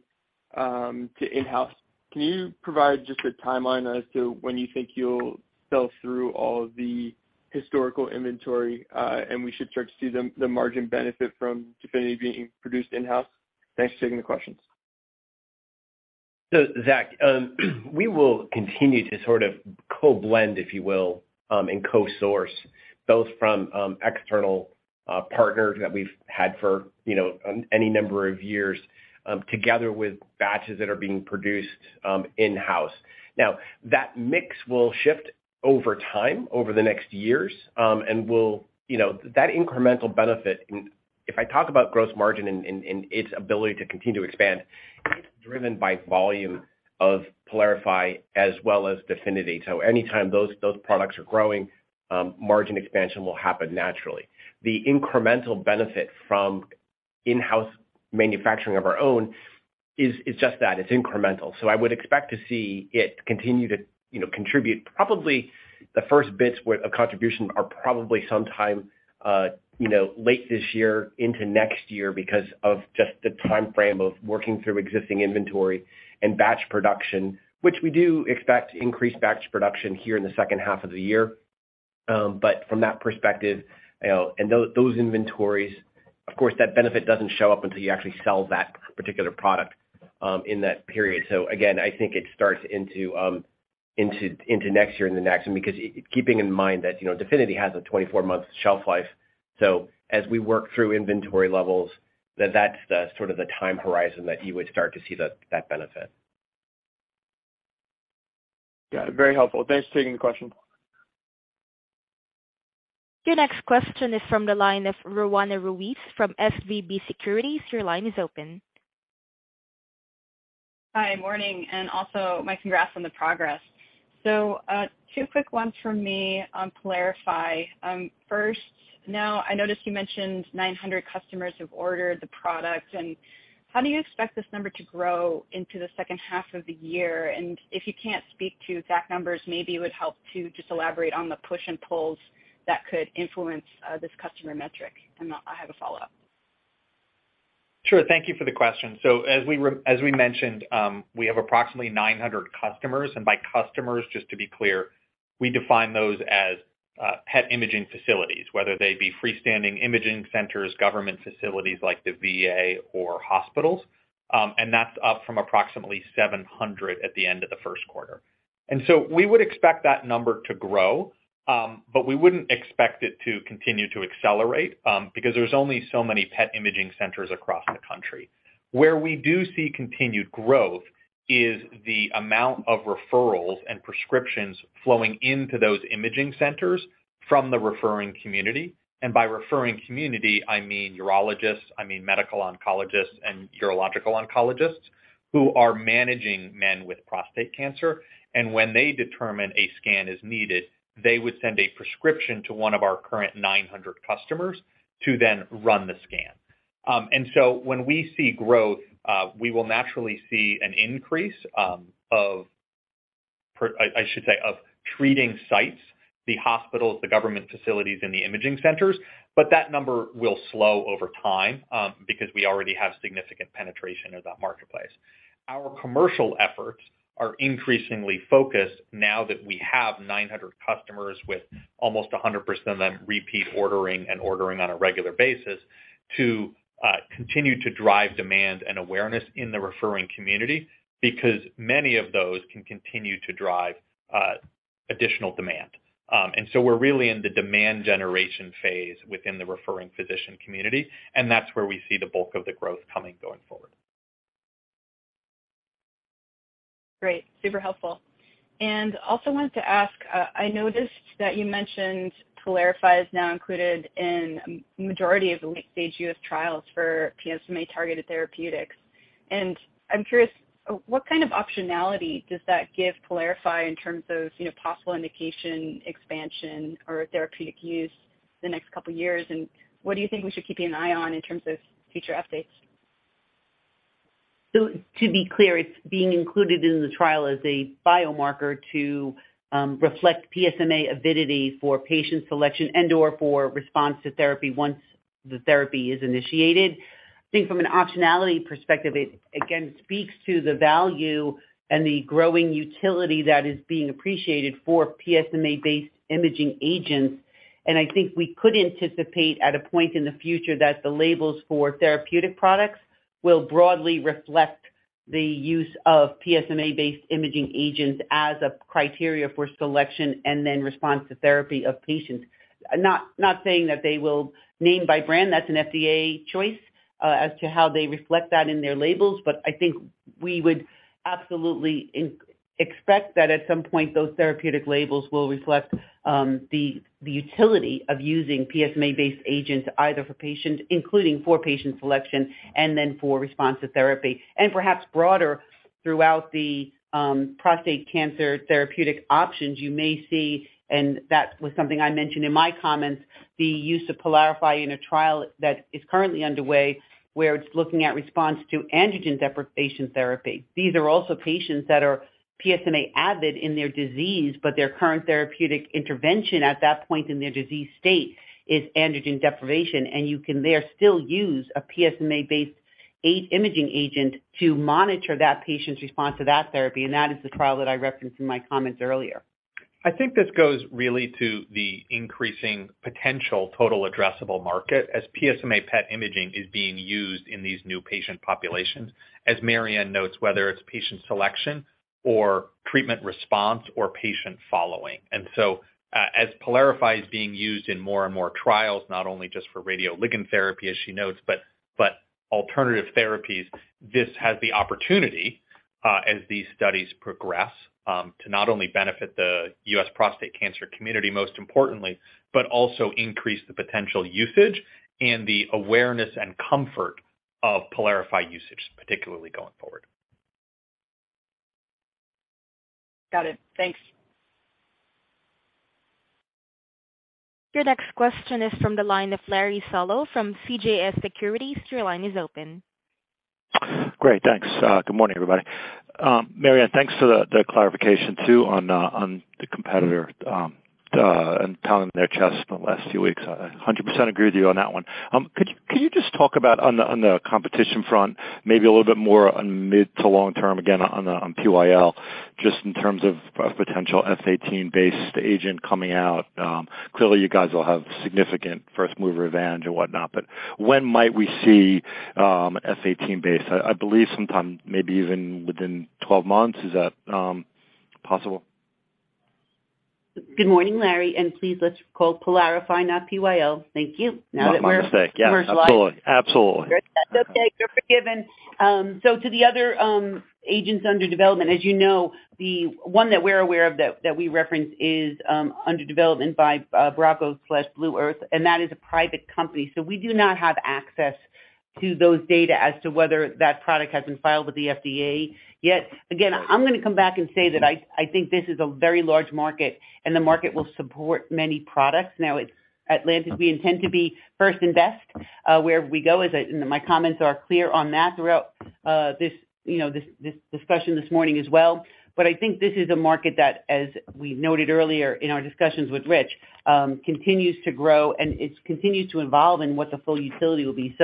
To in-house. Can you provide just a timeline as to when you think you'll sell through all of the historical inventory, and we should start to see the margin benefit from DEFINITY being produced in-house? Thanks for taking the questions. Zach, we will continue to sort of co-blend, if you will, and co-source both from external partners that we've had for, you know, any number of years, together with batches that are being produced in-house. Now, that mix will shift over time over the next years, and will, you know. That incremental benefit, and if I talk about gross margin and its ability to continue to expand, it's driven by volume of PYLARIFY as well as DEFINITY. Anytime those products are growing, margin expansion will happen naturally. The incremental benefit from in-house manufacturing of our own is just that, it's incremental. I would expect to see it continue to, you know, contribute probably the first bits with a contribution are probably sometime, you know, late this year into next year because of just the timeframe of working through existing inventory and batch production, which we do expect increased batch production here in the second half of the year. But from that perspective, you know, those inventories, of course, that benefit doesn't show up until you actually sell that particular product in that period. Again, I think it starts into next year and the next. Because keeping in mind that, you know, DEFINITY has a 24-month shelf life, so as we work through inventory levels, that's the sort of the time horizon that you would start to see that benefit. Got it. Very helpful. Thanks for taking the question. Your next question is from the line of Roanna Ruiz from SVB Securities. Your line is open. Hi. Morning, and also my congrats on the progress. Two quick ones from me on PYLARIFY. First, now I noticed you mentioned 900 customers who've ordered the product, and how do you expect this number to grow into the second half of the year? If you can't speak to exact numbers, maybe it would help to just elaborate on the push and pulls that could influence this customer metric. I have a follow-up. Sure. Thank you for the question. As we mentioned, we have approximately 900 customers, and by customers, just to be clear, we define those as PET imaging facilities, whether they be freestanding imaging centers, government facilities like the VA or hospitals. That's up from approximately 700 at the end of the first quarter. We would expect that number to grow, but we wouldn't expect it to continue to accelerate, because there's only so many PET imaging centers across the country. Where we do see continued growth is the amount of referrals and prescriptions flowing into those imaging centers from the referring community. By referring community, I mean urologists, I mean medical oncologists and urological oncologists who are managing men with prostate cancer. When they determine a scan is needed, they would send a prescription to one of our current 900 customers to then run the scan. When we see growth, we will naturally see an increase of treating sites, the hospitals, the government facilities, and the imaging centers, but that number will slow over time, because we already have significant penetration in that marketplace. Our commercial efforts are increasingly focused now that we have 900 customers with almost 100% of them repeat ordering and ordering on a regular basis to continue to drive demand and awareness in the referring community because many of those can continue to drive additional demand. We're really in the demand generation phase within the referring physician community, and that's where we see the bulk of the growth coming, going forward. Great. Super helpful. Also wanted to ask, I noticed that you mentioned PYLARIFY is now included in majority of the late-stage U.S. trials for PSMA-targeted therapeutics. I'm curious, what kind of optionality does that give PYLARIFY in terms of possible indication, expansion, or therapeutic use the next couple years? What do you think we should keep an eye on in terms of future updates? To be clear, it's being included in the trial as a biomarker to reflect PSMA avidity for patient selection and/or for response to therapy once the therapy is initiated. I think from an optionality perspective, it again speaks to the value and the growing utility that is being appreciated for PSMA-based imaging agents. I think we could anticipate at a point in the future that the labels for therapeutic products will broadly reflect the use of PSMA-based imaging agents as a criteria for selection and then response to therapy of patients. Not saying that they will name by brand, that's an FDA choice, as to how they reflect that in their labels. I think we would absolutely expect that at some point those therapeutic labels will reflect the utility of using PSMA-based agents either for patients, including for patient selection and then for response to therapy. Perhaps broader throughout the prostate cancer therapeutic options, you may see, and that was something I mentioned in my comments, the use of PYLARIFY in a trial that is currently underway, where it's looking at response to androgen deprivation therapy. These are also patients that are PSMA avid in their disease, but their current therapeutic intervention at that point in their disease state is androgen deprivation. You can there still use a PSMA-based PET imaging agent to monitor that patient's response to that therapy, and that is the trial that I referenced in my comments earlier. I think this goes really to the increasing potential total addressable market as PSMA PET imaging is being used in these new patient populations, as Mary Anne notes, whether it's patient selection or treatment response or patient following. As PYLARIFY is being used in more and more trials, not only just for radioligand therapy, as she notes, but alternative therapies, this has the opportunity, as these studies progress, to not only benefit the U.S. prostate cancer community, most importantly, but also increase the potential usage and the awareness and comfort of PYLARIFY usage, particularly going forward. Got it. Thanks. Your next question is from the line of Larry Solow from CJS Securities. Your line is open. Great. Thanks. Good morning, everybody. Mary Anne, thanks for the clarification too on the competitor and pounding their chest the last few weeks. I 100% agree with you on that one. Could you just talk about on the competition front, maybe a little bit more on mid- to long-term, again on PYL, just in terms of potential F-18 based agent coming out? Clearly, you guys will have significant first mover advantage or whatnot, but when might we see F-18 based? I believe sometime, maybe even within 12 months. Is that possible? Good morning, Larry. Please, let's call PYLARIFY not PYL. Thank you. Now that we're My mistake. -commercialized. Yeah. Absolutely. That's okay. You're forgiven. So to the other agents under development, as you know, the one that we're aware of that we reference is under development by Bracco/Blue Earth, and that is a private company, so we do not have access to those data as to whether that product has been filed with the FDA yet. Again, I'm gonna come back and say that I think this is a very large market, and the market will support many products. Now, at Lantheus, we intend to be first and best, wherever we go, as my comments are clear on that throughout, you know, this discussion this morning as well. I think this is a market that, as we noted earlier in our discussions with Rich, continues to grow, and it continues to evolve and what the full utility will be.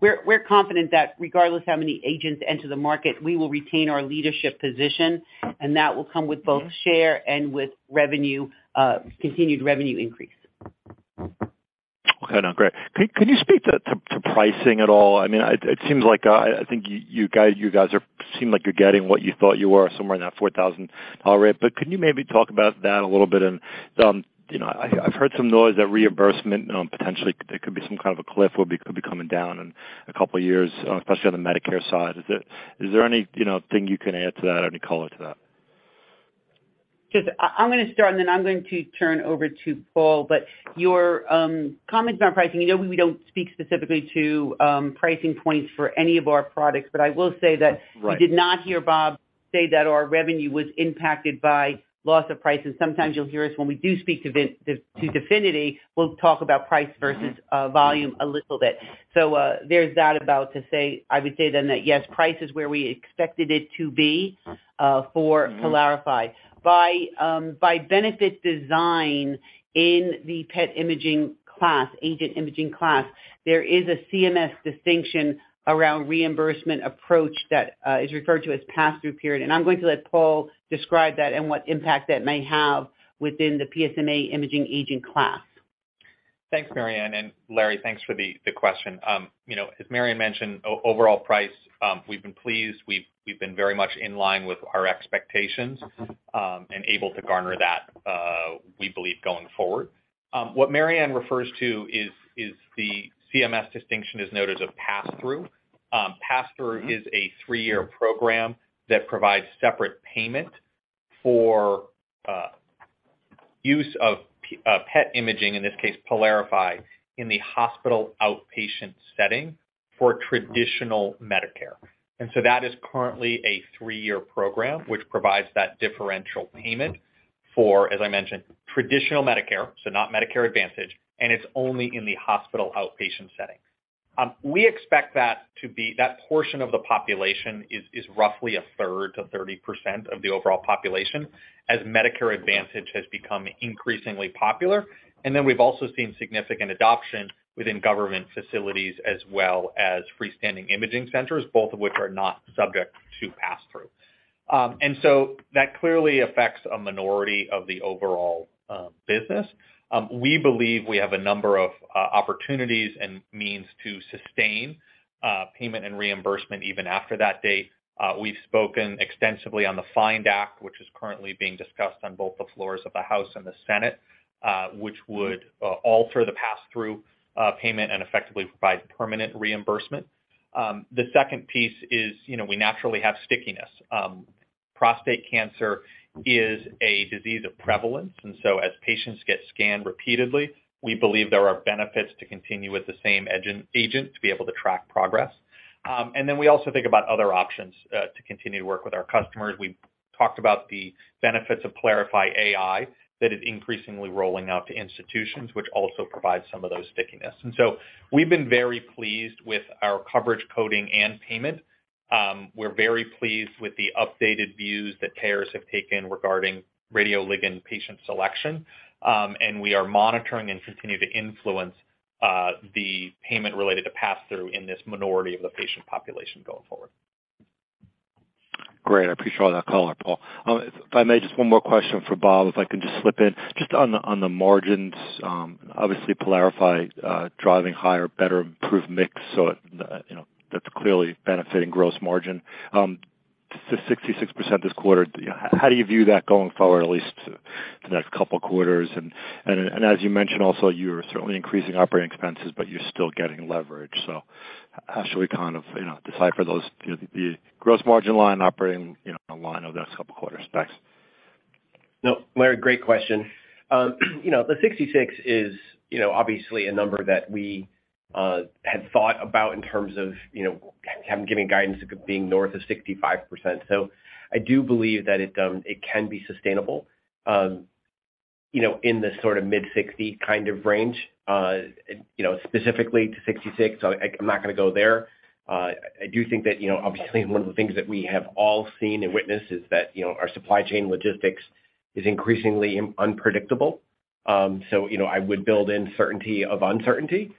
We're confident that regardless how many agents enter the market, we will retain our leadership position, and that will come with both share and with revenue, continued revenue increase. Okay. No, great. Could you speak to pricing at all? I mean, it seems like I think you guys seem like you're getting what you thought you were somewhere in that $4,000 rate. Could you maybe talk about that a little bit? You know, I've heard some noise that reimbursement potentially there could be some kind of a cliff or could be coming down in a couple of years, especially on the Medicare side. Is there anything, you know, anything you can add to that? Any color to that? I'm gonna start, and then I'm going to turn over to Paul. Your comments about pricing, you know we don't speak specifically to pricing points for any of our products. I will say that. Right. You did not hear Bob say that our revenue was impacted by loss of pricing. Sometimes you'll hear us when we do speak to volume to DEFINITY, we'll talk about price versus volume a little bit. So, there's that. I would say then that, yes, price is where we expected it to be for PYLARIFY. By benefit design in the PET imaging class, agent imaging class, there is a CMS distinction around reimbursement approach that is referred to as passthrough period. I'm going to let Paul describe that and what impact that may have within the PSMA imaging agent class. Thanks, Mary Anne, and Larry, thanks for the question. You know, as Mary Anne mentioned, overall price, we've been pleased. We've been very much in line with our expectations, and able to garner that, we believe going forward. What Mary Anne refers to is the CMS distinction is known as a passthrough. Passthrough is a three-year program that provides separate payment for use of PET imaging, in this case, PYLARIFY, in the hospital outpatient setting for traditional Medicare. That is currently a three-year program which provides that differential payment for, as I mentioned, traditional Medicare, so not Medicare Advantage, and it's only in the hospital outpatient setting. We expect that to be. That portion of the population is roughly a third to 30% of the overall population as Medicare Advantage has become increasingly popular. We've also seen significant adoption within government facilities as well as freestanding imaging centers, both of which are not subject to passthrough. That clearly affects a minority of the overall business. We believe we have a number of opportunities and means to sustain payment and reimbursement even after that date. We've spoken extensively on the FIND Act, which is currently being discussed on both the floors of the House and the Senate, which would alter the passthrough payment and effectively provide permanent reimbursement. The second piece is, you know, we naturally have stickiness. Prostate cancer is a disease of prevalence, and as patients get scanned repeatedly, we believe there are benefits to continue with the same agent to be able to track progress. We also think about other options to continue to work with our customers. We've talked about the benefits of PYLARIFY AI that is increasingly rolling out to institutions, which also provides some of those stickiness. We've been very pleased with our coverage coding and payment. We're very pleased with the updated views that payers have taken regarding radioligand patient selection. We are monitoring and continue to influence the payment related to passthrough in this minority of the patient population going forward. Great. I appreciate all that color, Paul. If I may, just one more question for Bob, if I can just slip in. Just on the margins, obviously PYLARIFY driving higher, better improved mix, so it, you know, that's clearly benefiting gross margin to 66% this quarter, how do you view that going forward, at least to the next couple quarters? As you mentioned also, you're certainly increasing operating expenses, but you're still getting leverage. How should we kind of, you know, decipher those, you know, the gross margin line operating, you know, in line over the next couple of quarters? Thanks. No, Larry, great question. You know, the 66% is, you know, obviously a number that we had thought about in terms of, you know, kind of giving guidance of being north of 65%. I do believe that it can be sustainable, you know, in the sort of mid-60% kind of range, you know, specifically to 66%. I'm not gonna go there. I do think that, you know, obviously one of the things that we have all seen and witnessed is that, you know, our supply chain logistics is increasingly unpredictable. You know, I would build in certainty of uncertainty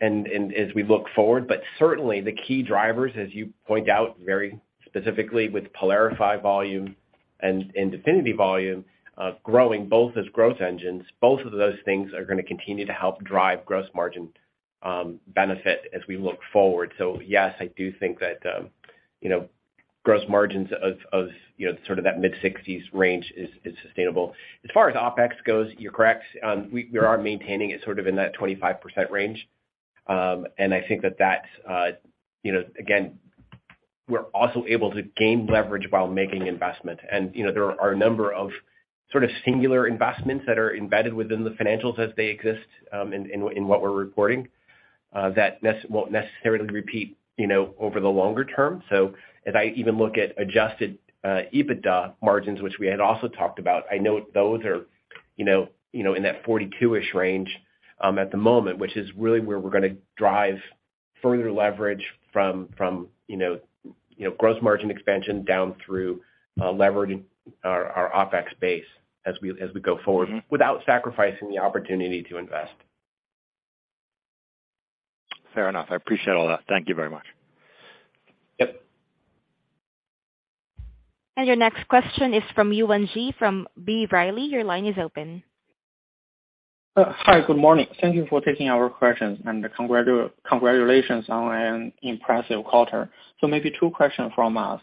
and as we look forward. Certainly, the key drivers, as you point out very specifically with PYLARIFY volume and DEFINITY volume, growing both as growth engines, both of those things are gonna continue to help drive gross margin, benefit as we look forward. Yes, I do think that, you know, gross margins of, you know, sort of that mid-sixties range is sustainable. As far as OpEx goes, you're correct. We are maintaining it sort of in that 25% range. I think that that's, you know, again, we're also able to gain leverage while making investment. You know, there are a number of sort of singular investments that are embedded within the financials as they exist, in what we're reporting, that won't necessarily repeat, you know, over the longer term. As I even look at adjusted EBITDA margins, which we had also talked about, I know those are, you know, in that 42%-ish range at the moment, which is really where we're gonna drive further leverage from, you know, gross margin expansion down through leveraging our OpEx base as we go forward without sacrificing the opportunity to invest. Fair enough. I appreciate all that. Thank you very much. Yep. Your next question is from Yuan Ji from B. Riley. Your line is open. Hi, good morning. Thank you for taking our questions, and congratulations on an impressive quarter. Maybe two questions from us.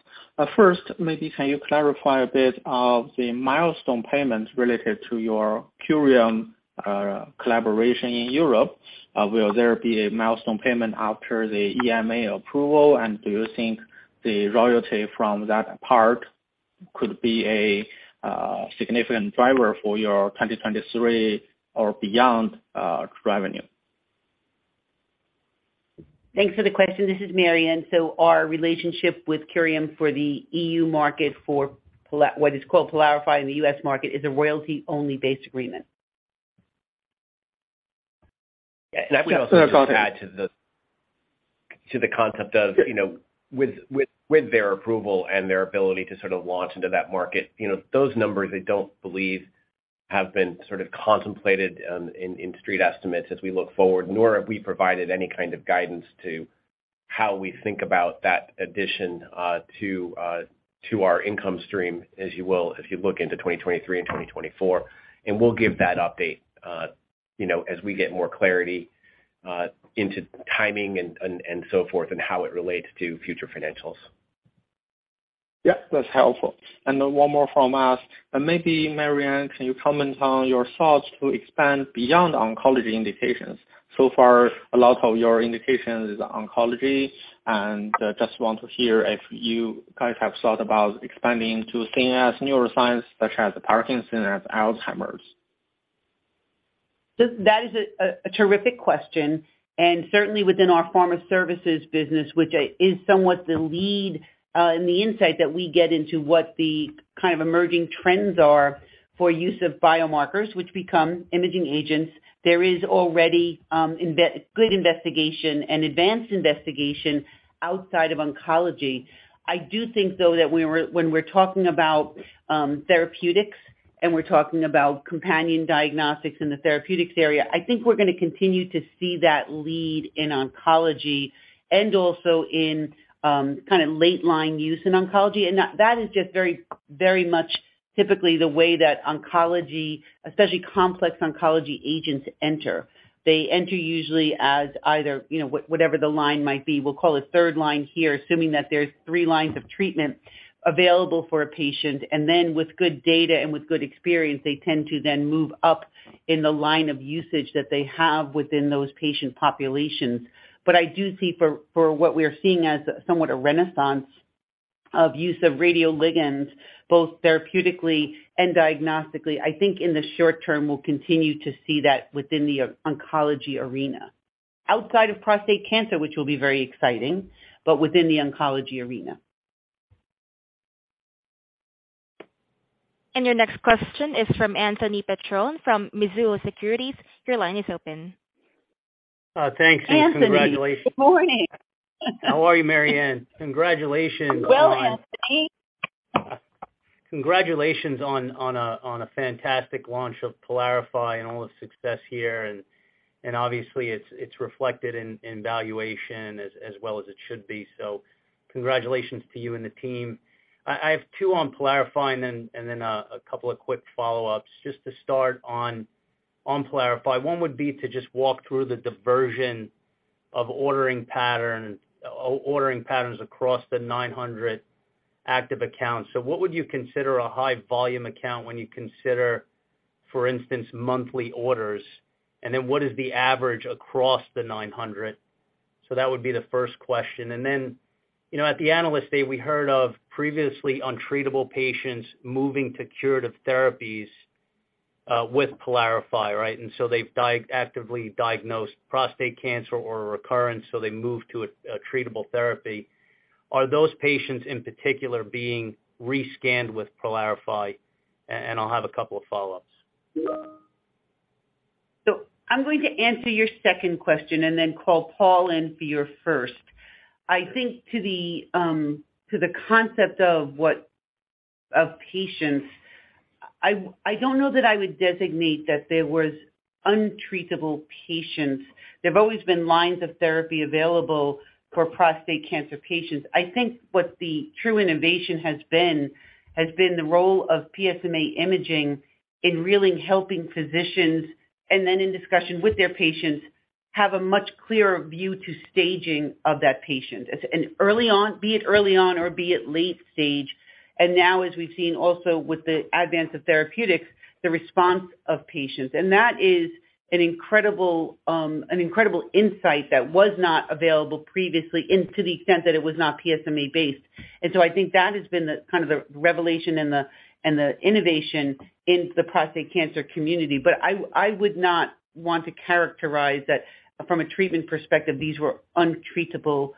First, maybe can you clarify a bit of the milestone payments related to your Curium collaboration in Europe? Will there be a milestone payment after the EMA approval? And do you think the royalty from that part could be a significant driver for your 2023 or beyond revenue? Thanks for the question. This is Mary Anne Heino. Our relationship with Curium for the EU market for what is called PYLARIFY in the US market is a royalty-only based agreement. If I could also just add to the concept of. Yeah You know, with their approval and their ability to sort of launch into that market, you know, those numbers I don't believe have been sort of contemplated in street estimates as we look forward, nor have we provided any kind of guidance to how we think about that addition to our income stream, as you will, as you look into 2023 and 2024. We'll give that update, you know, as we get more clarity into timing and so forth and how it relates to future financials. Yeah, that's helpful. Then one more from us. Maybe Mary Anne, can you comment on your thoughts to expand beyond oncology indications? So far, a lot of your indications is oncology. Just want to hear if you guys have thought about expanding to CNS neuroscience, such as Parkinson's, Alzheimer's. That is a terrific question. Certainly within our pharma services business, which is somewhat the lead in the insight that we get into what the kind of emerging trends are for use of biomarkers, which become imaging agents. There is already good investigation and advanced investigation outside of oncology. I do think, though, that when we're talking about therapeutics and we're talking about companion diagnostics in the therapeutics area, I think we're gonna continue to see that lead in oncology and also in kind of late line use in oncology. That is just very, very much typically the way that oncology, especially complex oncology agents enter. They enter usually as either, you know, whatever the line might be. We'll call it third line here, assuming that there's three lines of treatment available for a patient. With good data and with good experience, they tend to then move up in the line of usage that they have within those patient populations. I do see for what we're seeing as somewhat a renaissance of use of radioligands, both therapeutically and diagnostically. I think in the short term, we'll continue to see that within the oncology arena. Outside of prostate cancer, which will be very exciting, but within the oncology arena. Your next question is from Anthony Petrone from Mizuho Securities. Your line is open. Thanks. Anthony. Congratulations. Good morning. How are you, Mary Anne? Congratulations on. Well, Anthony. Congratulations on a fantastic launch of PYLARIFY and all its success here. Obviously it's reflected in valuation as well as it should be. Congratulations to you and the team. I have two on PYLARIFY and then a couple of quick follow-ups. Just to start on PYLARIFY, one would be to just walk through the distribution of ordering patterns across the 900 active accounts. What would you consider a high volume account when you consider, for instance, monthly orders? And then what is the average across the 900? That would be the first question. You know, at the Analyst Day, we heard of previously untreatable patients moving to curative therapies with PYLARIFY, right? They've diagnosed prostate cancer or a recurrence, so they move to a treatable therapy. Are those patients in particular being re-scanned with PYLARIFY? I'll have a couple of follow-ups. I'm going to answer your second question and then call Paul in for your first. I think to the concept of patients, I don't know that I would designate that there was untreatable patients. There've always been lines of therapy available for prostate cancer patients. I think what the true innovation has been the role of PSMA imaging in really helping physicians, and then in discussion with their patients, have a much clearer view to staging of that patient. It's be it early on or be it late stage, and now as we've seen also with the advance of therapeutics, the response of patients. That is an incredible insight that was not available previously and to the extent that it was not PSMA-based. I think that has been the kind of revelation and the innovation in the prostate cancer community. I would not want to characterize that from a treatment perspective, these were untreatable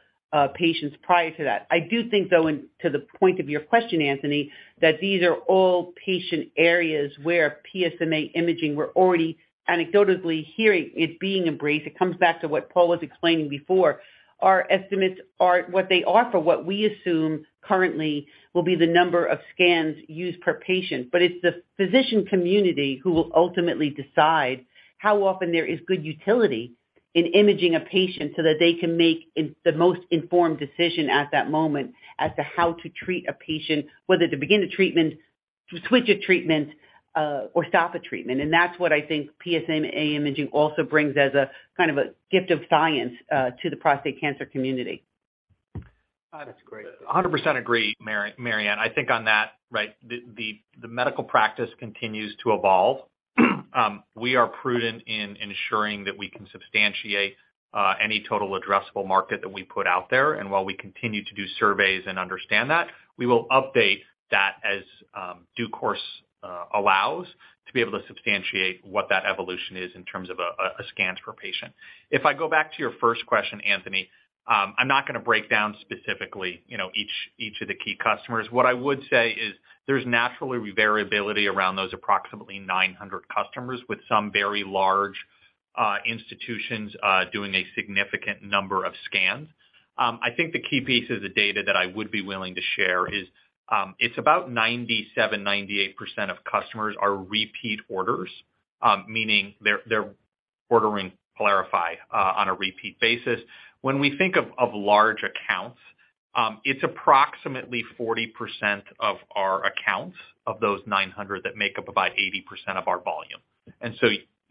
patients prior to that. I do think though, and to the point of your question, Anthony, that these are all patient areas where PSMA imaging, we're already anecdotally hearing it being embraced. It comes back to what Paul was explaining before. Our estimates are what they are for what we assume currently will be the number of scans used per patient. It's the physician community who will ultimately decide how often there is good utility in imaging a patient so that they can make the most informed decision at that moment as to how to treat a patient, whether to begin a treatment, to switch a treatment, or stop a treatment. That's what I think PSMA imaging also brings as a kind of a gift of science to the prostate cancer community. That's great. 100% agree, Mary Anne. I think on that, the medical practice continues to evolve. We are prudent in ensuring that we can substantiate any total addressable market that we put out there. While we continue to do surveys and understand that, we will update that in due course to be able to substantiate what that evolution is in terms of scans per patient. If I go back to your first question, Anthony, I'm not gonna break down specifically, you know, each of the key customers. What I would say is there's naturally variability around those approximately 900 customers, with some very large institutions doing a significant number of scans. I think the key piece of the data that I would be willing to share is, it's about 97%-98% of customers are repeat orders, meaning they're ordering PYLARIFY on a repeat basis. When we think of large accounts, it's approximately 40% of our accounts, of those 900, that make up about 80% of our volume.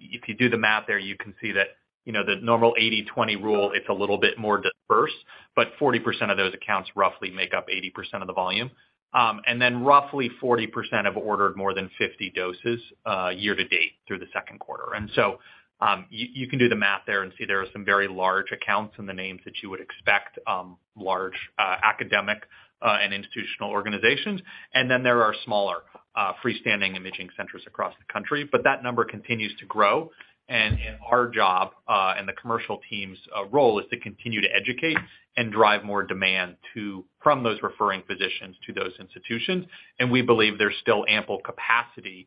If you do the math there, you can see that, you know, the normal 80/20 rule, it's a little bit more diverse, but 40% of those accounts roughly make up 80% of the volume. Then roughly 40% have ordered more than 50 doses year to date through the second quarter. You can do the math there and see there are some very large accounts in the names that you would expect, large academic and institutional organizations. There are smaller freestanding imaging centers across the country, but that number continues to grow. Our job and the commercial team's role is to continue to educate and drive more demand from those referring physicians to those institutions. We believe there's still ample capacity,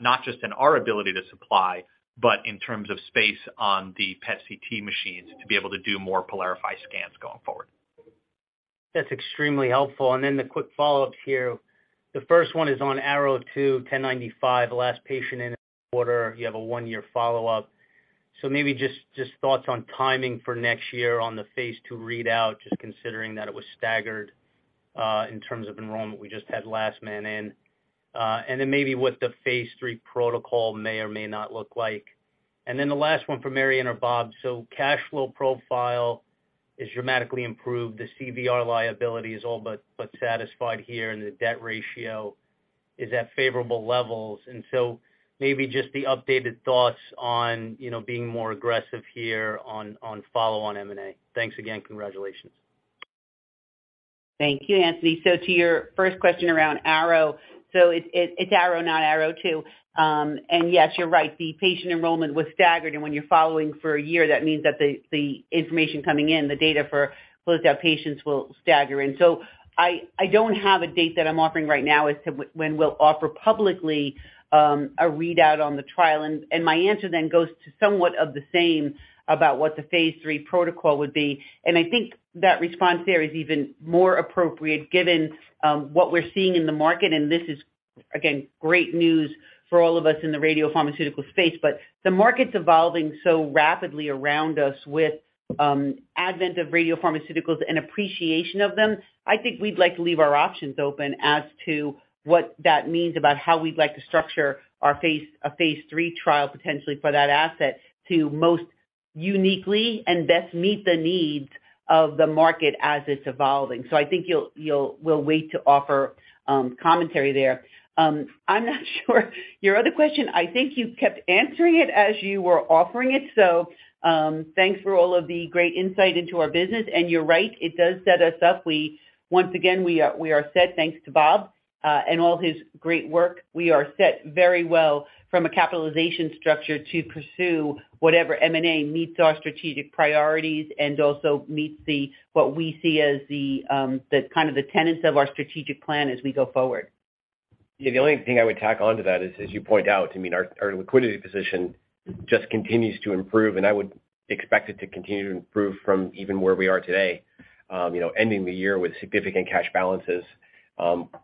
not just in our ability to supply, but in terms of space on the PET CT machines to be able to do more PYLARIFY scans going forward. That's extremely helpful. The quick follow-up here. The first one is on ARROW 2, 1095, last patient in the quarter. You have a 1-year follow-up. Maybe just thoughts on timing for next year on the phase II readout, just considering that it was staggered in terms of enrollment. We just had last man in. Then maybe what the phase III protocol may or may not look like. The last one for Mary Anne or Bob. Cash flow profile is dramatically improved. The CVR liability is all but satisfied here, and the debt ratio is at favorable levels. Maybe just the updated thoughts on, you know, being more aggressive here on follow-on M&A. Thanks again. Congratulations. Thank you, Anthony. To your first question around ARROW, it's ARROW, not ARROW two. Yes, you're right, the patient enrollment was staggered, and when you're following for a year, that means that the information coming in, the data for closed out patients will stagger in. I don't have a date that I'm offering right now as to when we'll offer publicly a readout on the trial. My answer then goes to somewhat of the same about what the phase III protocol would be. I think that response there is even more appropriate given what we're seeing in the market. This is, again, great news for all of us in the radiopharmaceutical space, but the market's evolving so rapidly around us with advent of radiopharmaceuticals and appreciation of them. I think we'd like to leave our options open as to what that means about how we'd like to structure our phase three trial, potentially for that asset to most uniquely and best meet the needs of the market as it's evolving. I think we'll wait to offer commentary there. I'm not sure your other question, I think you kept answering it as you were offering it, so, thanks for all of the great insight into our business. You're right, it does set us up. Once again, we are set, thanks to Bob and all his great work. We are set very well from a capitalization structure to pursue whatever M&A meets our strategic priorities and also meets what we see as the kind of tenets of our strategic plan as we go forward. Yeah. The only thing I would tack on to that is, as you point out, I mean, our liquidity position just continues to improve, and I would expect it to continue to improve from even where we are today, you know, ending the year with significant cash balances,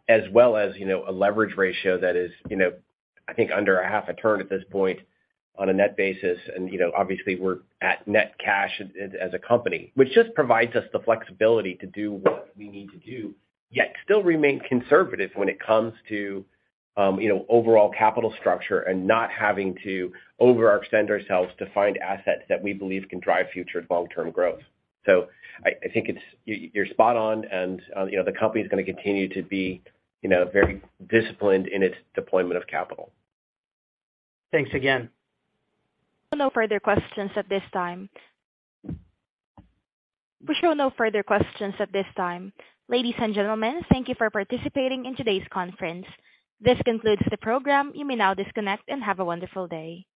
as well as, you know, a leverage ratio that is, you know, I think under a half a turn at this point on a net basis. You know, obviously we're at net cash as a company. Which just provides us the flexibility to do what we need to do, yet still remain conservative when it comes to, you know, overall capital structure and not having to overextend ourselves to find assets that we believe can drive future long-term growth. I think you're spot on and, you know, the company's gonna continue to be, you know, very disciplined in its deployment of capital. Thanks again. No further questions at this time. We show no further questions at this time. Ladies and gentlemen, thank you for participating in today's conference. This concludes the program. You may now disconnect and have a wonderful day.